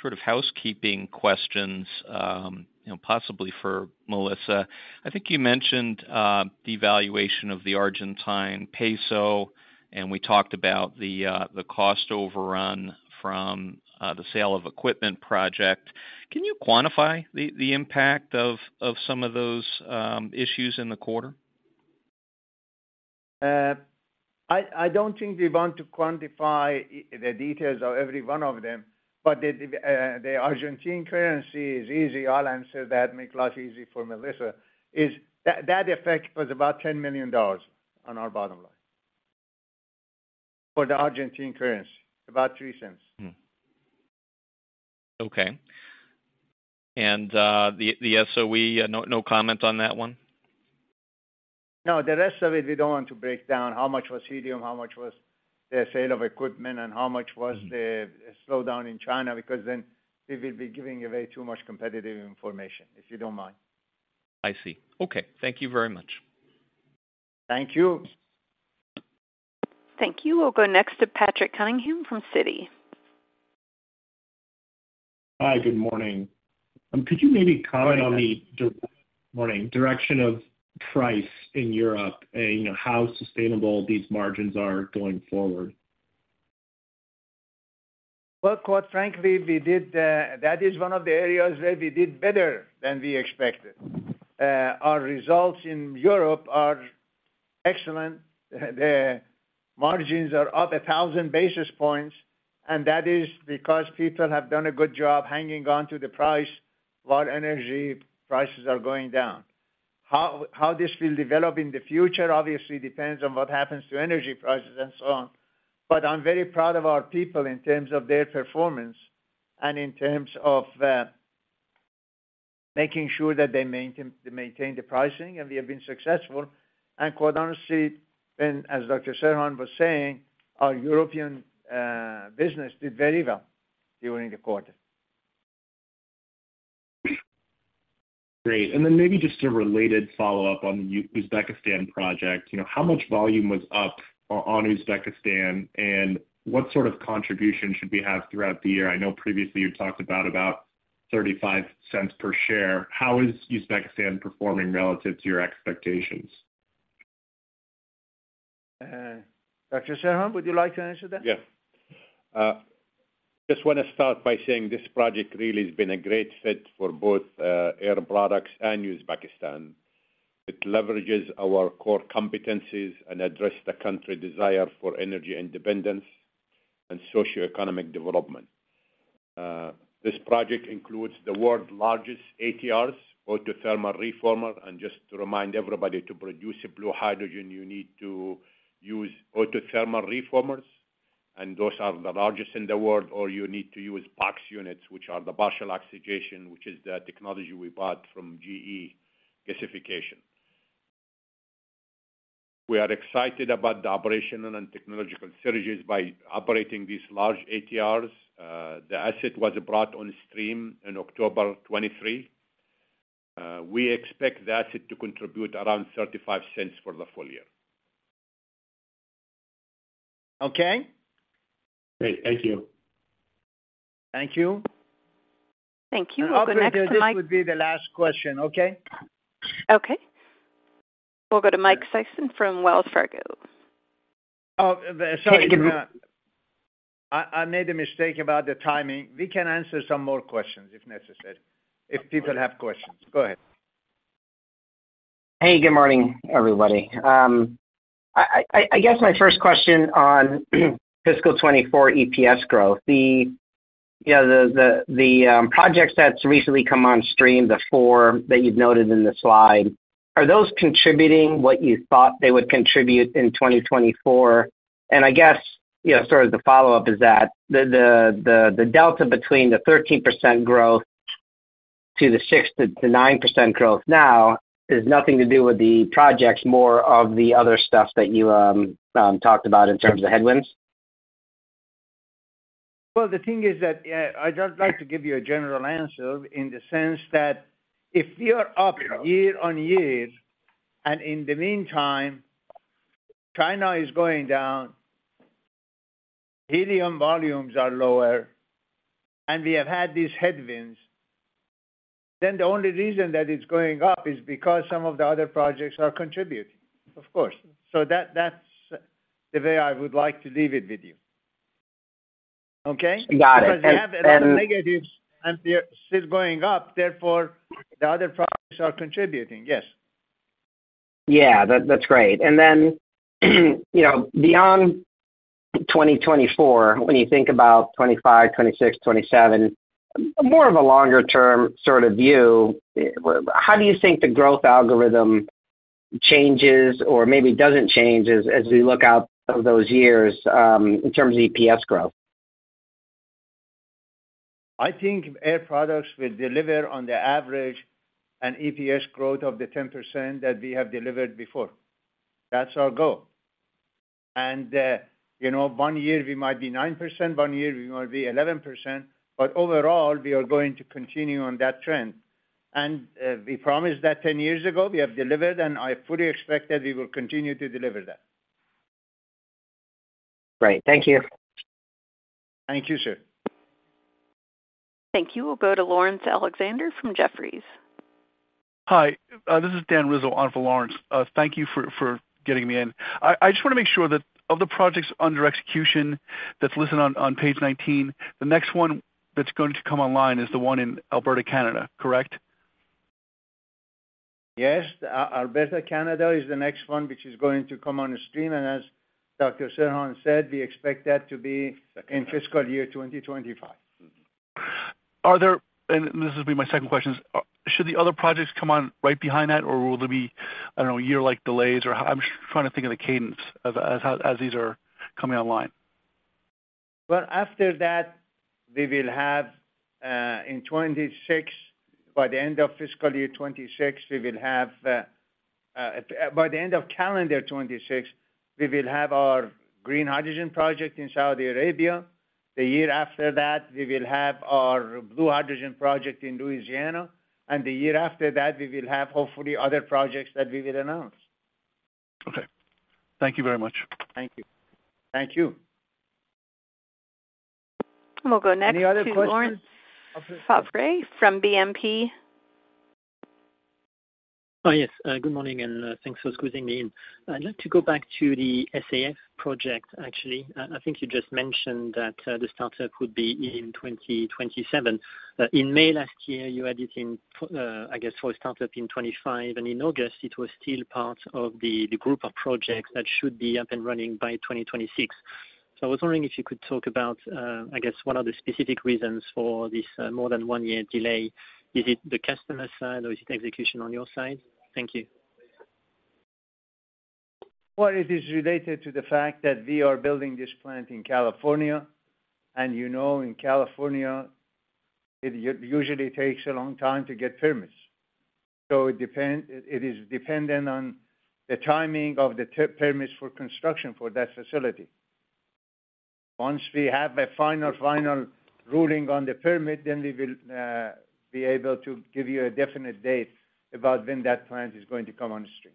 sort of housekeeping questions, you know, possibly for Melissa. I think you mentioned the evaluation of the Argentine peso, and we talked about the cost overrun from the sale of equipment project. Can you quantify the impact of some of those issues in the quarter? I don't think we want to quantify the details of every one of them, but the Argentine currency is easy. I'll answer that, make life easy for Melissa, is that effect was about $10 million on our bottom line. For the Argentine currency, about $0.03. Hmm. Okay. And, the SOE, no, no comment on that one? No, the rest of it, we don't want to break down how much was helium, how much was the sale of equipment, and how much was the Mm. Slowdown in China, because then we will be giving away too much competitive information, if you don't mind. I see. Okay, thank you very much. Thank you. Thank you. We'll go next to Patrick Cunningham from Citi. Hi, good morning. Could you maybe comment on the direction of price in Europe and, you know, how sustainable these margins are going forward? Well, quite frankly, we did, that is one of the areas where we did better than we expected. Our results in Europe are excellent. The margins are up 1,000 basis points, and that is because people have done a good job hanging on to the price, while energy prices are going down. How this will develop in the future, obviously depends on what happens to energy prices and so on. But I'm very proud of our people in terms of their performance and in terms of making sure that they maintain, they maintain the pricing, and we have been successful. And quite honestly, and as Dr. Serhan was saying, our European business did very well during the quarter. Great. And then maybe just a related follow-up on the Uzbekistan project. You know, how much volume was up on Uzbekistan, and what sort of contribution should we have throughout the year? I know previously you talked about about $0.35 per share. How is Uzbekistan performing relative to your expectations? Dr. Serhan, would you like to answer that? Yes. Just wanna start by saying this project really has been a great fit for both, Air Products and Uzbekistan. It leverages our core competencies and address the country's desire for energy independence and socioeconomic development. This project includes the world's largest ATRs, autothermal reformer. And just to remind everybody, to produce a blue hydrogen, you need to use autothermal reformers, and those are the largest in the world, or you need to use POX units, which are the partial oxidation, which is the technology we bought from GE Gasification. We are excited about the operational and technological synergies by operating these large ATRs. The asset was brought on stream in October 2023. We expect the asset to contribute around $0.35 for the full-year. Okay? Great. Thank you. Thank you. Thank you. We'll go next to Mike Hopefully, this would be the last question, okay? Okay. We'll go to Mike Sison from Wells Fargo. Oh, sorry. Hey, good I made a mistake about the timing. We can answer some more questions if necessary, if people have questions. Go ahead. Hey, good morning, everybody. I guess my first question on fiscal 2024 EPS growth. You know, the projects that's recently come on stream, the four that you've noted in the slide, are those contributing what you thought they would contribute in 2024? And I guess, you know, sort of the follow-up is that, the delta between the 13% growth to the 6%-9% growth now, has nothing to do with the projects, more of the other stuff that you talked about in terms of the headwinds? Well, the thing is that, I'd just like to give you a general answer in the sense that if we are up year-over-year, and in the meantime, China is going down, helium volumes are lower, and we have had these headwinds, then the only reason that it's going up is because some of the other projects are contributing, of course. So that, that's the way I would like to leave it with you. Okay? Got it. And Because we have a lot of negatives, and we are still going up, therefore, the other projects are contributing. Yes. Yeah, that's great. And then, you know, beyond 2024, when you think about 2025, 2026, 2027, more of a longer term sort of view, how do you think the growth algorithm changes or maybe doesn't change as we look out of those years, in terms of EPS growth? I think Air Products will deliver on the average an EPS growth of the 10% that we have delivered before. That's our goal. And, you know, one year we might be 9%, one year we might be 11%, but overall, we are going to continue on that trend. And, we promised that 10 years ago, we have delivered, and I fully expect that we will continue to deliver that. Great. Thank you. Thank you, sir. Thank you. We'll go to Lawrence Alexander from Jefferies. Hi, this is Dan Rizzo on for Lawrence. Thank you for getting me in. I just wanna make sure that of the projects under execution that's listed on page 19, the next one that's going to come online is the one in Alberta, Canada, correct? Yes. Alberta, Canada, is the next one, which is going to come on the stream, and as Dr. Serhan said, we expect that to be in fiscal year 2025. This will be my second question is, should the other projects come on right behind that, or will there be, I don't know, year-like delays, or how? I'm trying to think of the cadence of as, as these are coming online. Well, after that, we will have, in 2026, by the end of fiscal year 2026, we will have, by the end of calendar 2026, we will have our green hydrogen project in Saudi Arabia. The year after that, we will have our blue hydrogen project in Louisiana, and the year after that, we will have, hopefully, other projects that we will announce. Okay. Thank you very much. Thank you. Thank you. We'll go next Any other questions? Laurent Favre from BNP. Oh, yes, good morning, and, thanks for squeezing me in. I'd like to go back to the SAF project, actually. I think you just mentioned that, the startup would be in 2027. In May last year, you had it in, I guess, for a startup in 2025, and in August it was still part of the, the group of projects that should be up and running by 2026. So I was wondering if you could talk about, I guess, what are the specific reasons for this, more than one-year delay? Is it the customer side or is it execution on your side? Thank you. Well, it is related to the fact that we are building this plant in California, and you know, in California, it usually takes a long time to get permits. So it is dependent on the timing of the permits for construction for that facility. Once we have a final ruling on the permit, then we will be able to give you a definite date about when that plant is going to come on stream.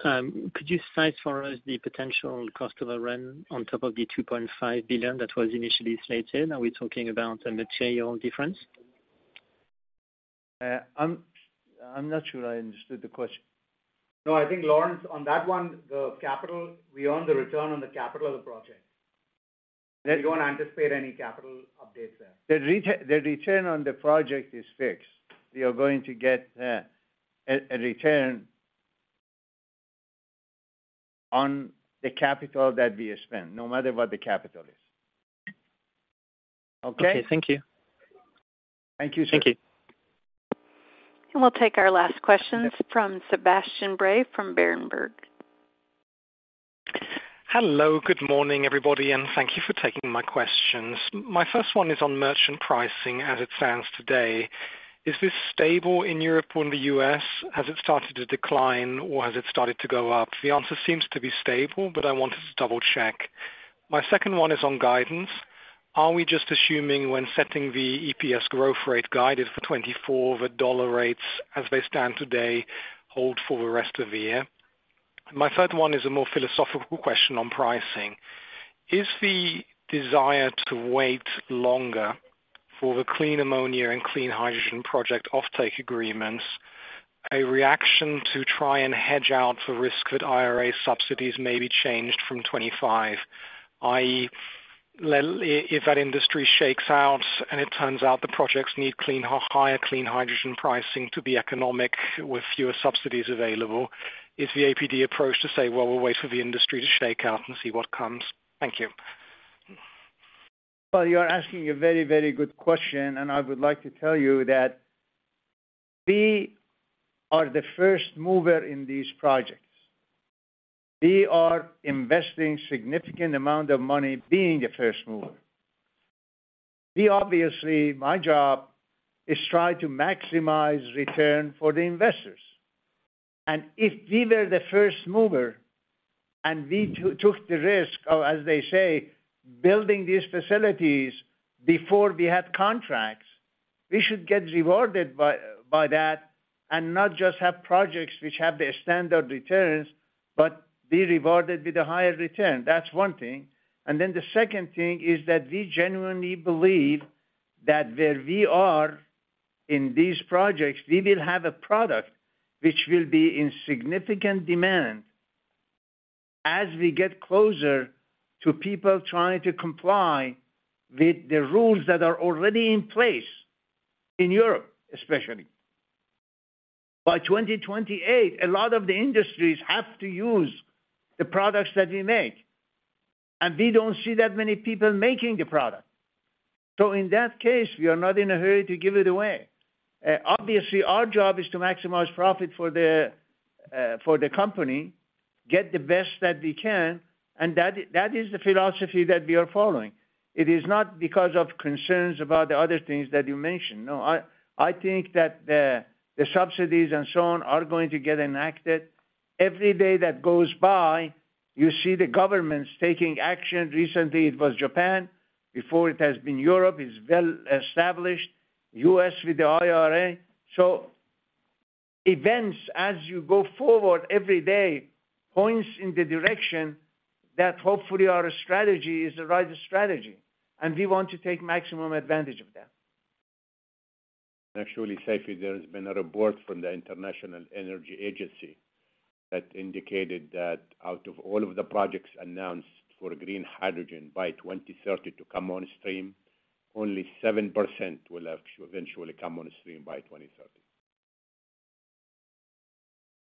Could you cite for us the potential cost overun on top of the $2.5 billion that was initially slated? Are we talking about a material difference? I'm not sure I understood the question. No, I think, Lawrence, on that one, the capital, we own the return on the capital of the project. We don't anticipate any capital updates there. The return on the project is fixed. We are going to get a return on the capital that we spend, no matter what the capital is. Okay? Okay. Thank you. Thank you, sir. Thank you. We'll take our last questions from Sebastian Bray from Berenberg. Hello, good morning, everybody, and thank you for taking my questions. My first one is on merchant pricing as it stands today. Is this stable in Europe or in the US? Has it started to decline, or has it started to go up? The answer seems to be stable, but I wanted to double-check. My second one is on guidance. Are we just assuming when setting the EPS growth rate guidance for 2024, the dollar rates, as they stand today, hold for the rest of the year? My third one is a more philosophical question on pricing: Is the desire to wait longer for the clean ammonia and clean hydrogen project offtake agreements, a reaction to try and hedge out the risk that IRA subsidies may be changed from 2025, i.e., if that industry shakes out and it turns out the projects need clean, higher, clean hydrogen pricing to be economic with fewer subsidies available, is the APD approach to say, "Well, we'll wait for the industry to shake out and see what comes"? Thank you. Well, you are asking a very, very good question, and I would like to tell you that we are the first mover in these projects. We are investing significant amount of money being a first mover. We obviously, My job is try to maximize return for the investors. And if we were the first mover and we took the risk of, as they say, building these facilities before we had contracts, we should get rewarded by, by that and not just have projects which have the standard returns, but be rewarded with a higher return. That's one thing. And then the second thing is that we genuinely believe that where we are in these projects, we will have a product which will be in significant demand as we get closer to people trying to comply with the rules that are already in place, in Europe, especially. By 2028, a lot of the industries have to use the products that we make, and we don't see that many people making the product. So in that case, we are not in a hurry to give it away. Obviously, our job is to maximize profit for the company, get the best that we can, and that, that is the philosophy that we are following. It is not because of concerns about the other things that you mentioned. No, I think that the subsidies and so on are going to get enacted. Every day that goes by, you see the governments taking action. Recently, it was Japan. Before, it has been Europe, is well established, U.S. with the IRA. Events, as you go forward every day, points in the direction that hopefully our strategy is the right strategy, and we want to take maximum advantage of that. Actually, Seifi, there has been a report from the International Energy Agency that indicated that out of all of the projects announced for green hydrogen by 2030 to come on stream, only 7% will actually eventually come on stream by 2030.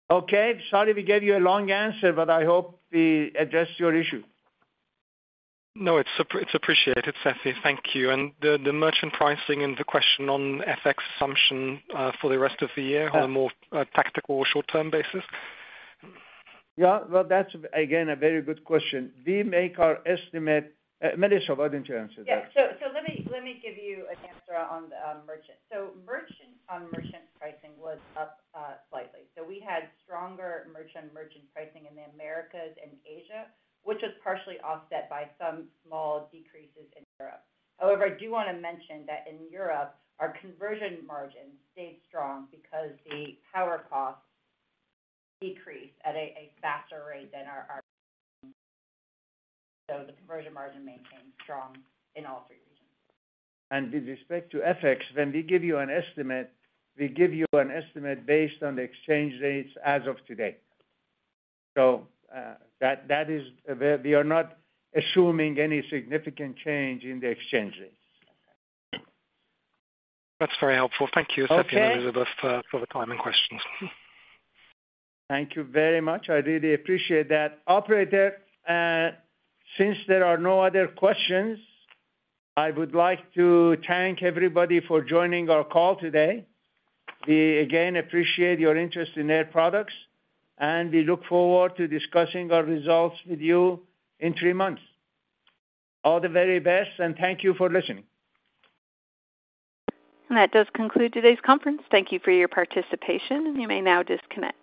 Okay. Sorry, we gave you a long answer, but I hope we addressed your issue. No, it's appreciated, Seifi. Thank you. And the merchant pricing and the question on FX assumption for the rest of the year- Yeah. On a more, tactical short-term basis. Yeah, well, that's again a very good question. We make our estimate, Melissa. Why don't you answer that? Yeah. So let me give you an answer on the merchant. So merchant on merchant pricing was up slightly. So we had stronger merchant on merchant pricing in the Americas and Asia, which was partially offset by some small decreases in Europe. However, I do want to mention that in Europe, our conversion margin stayed strong because the power costs decreased at a faster rate than our [inaudible] So the conversion margin maintained strong in all three regions. With respect to FX, when we give you an estimate, we give you an estimate based on the exchange rates as of today. So, that is, we are not assuming any significant change in the exchange rates. That's very helpful. Thank you Okay. for the time and questions. Thank you very much. I really appreciate that. Operator, since there are no other questions, I would like to thank everybody for joining our call today. We again appreciate your interest in Air Products, and we look forward to discussing our results with you in three months. All the very best, and thank you for listening. That does conclude today's conference. Thank you for your participation, and you may now disconnect.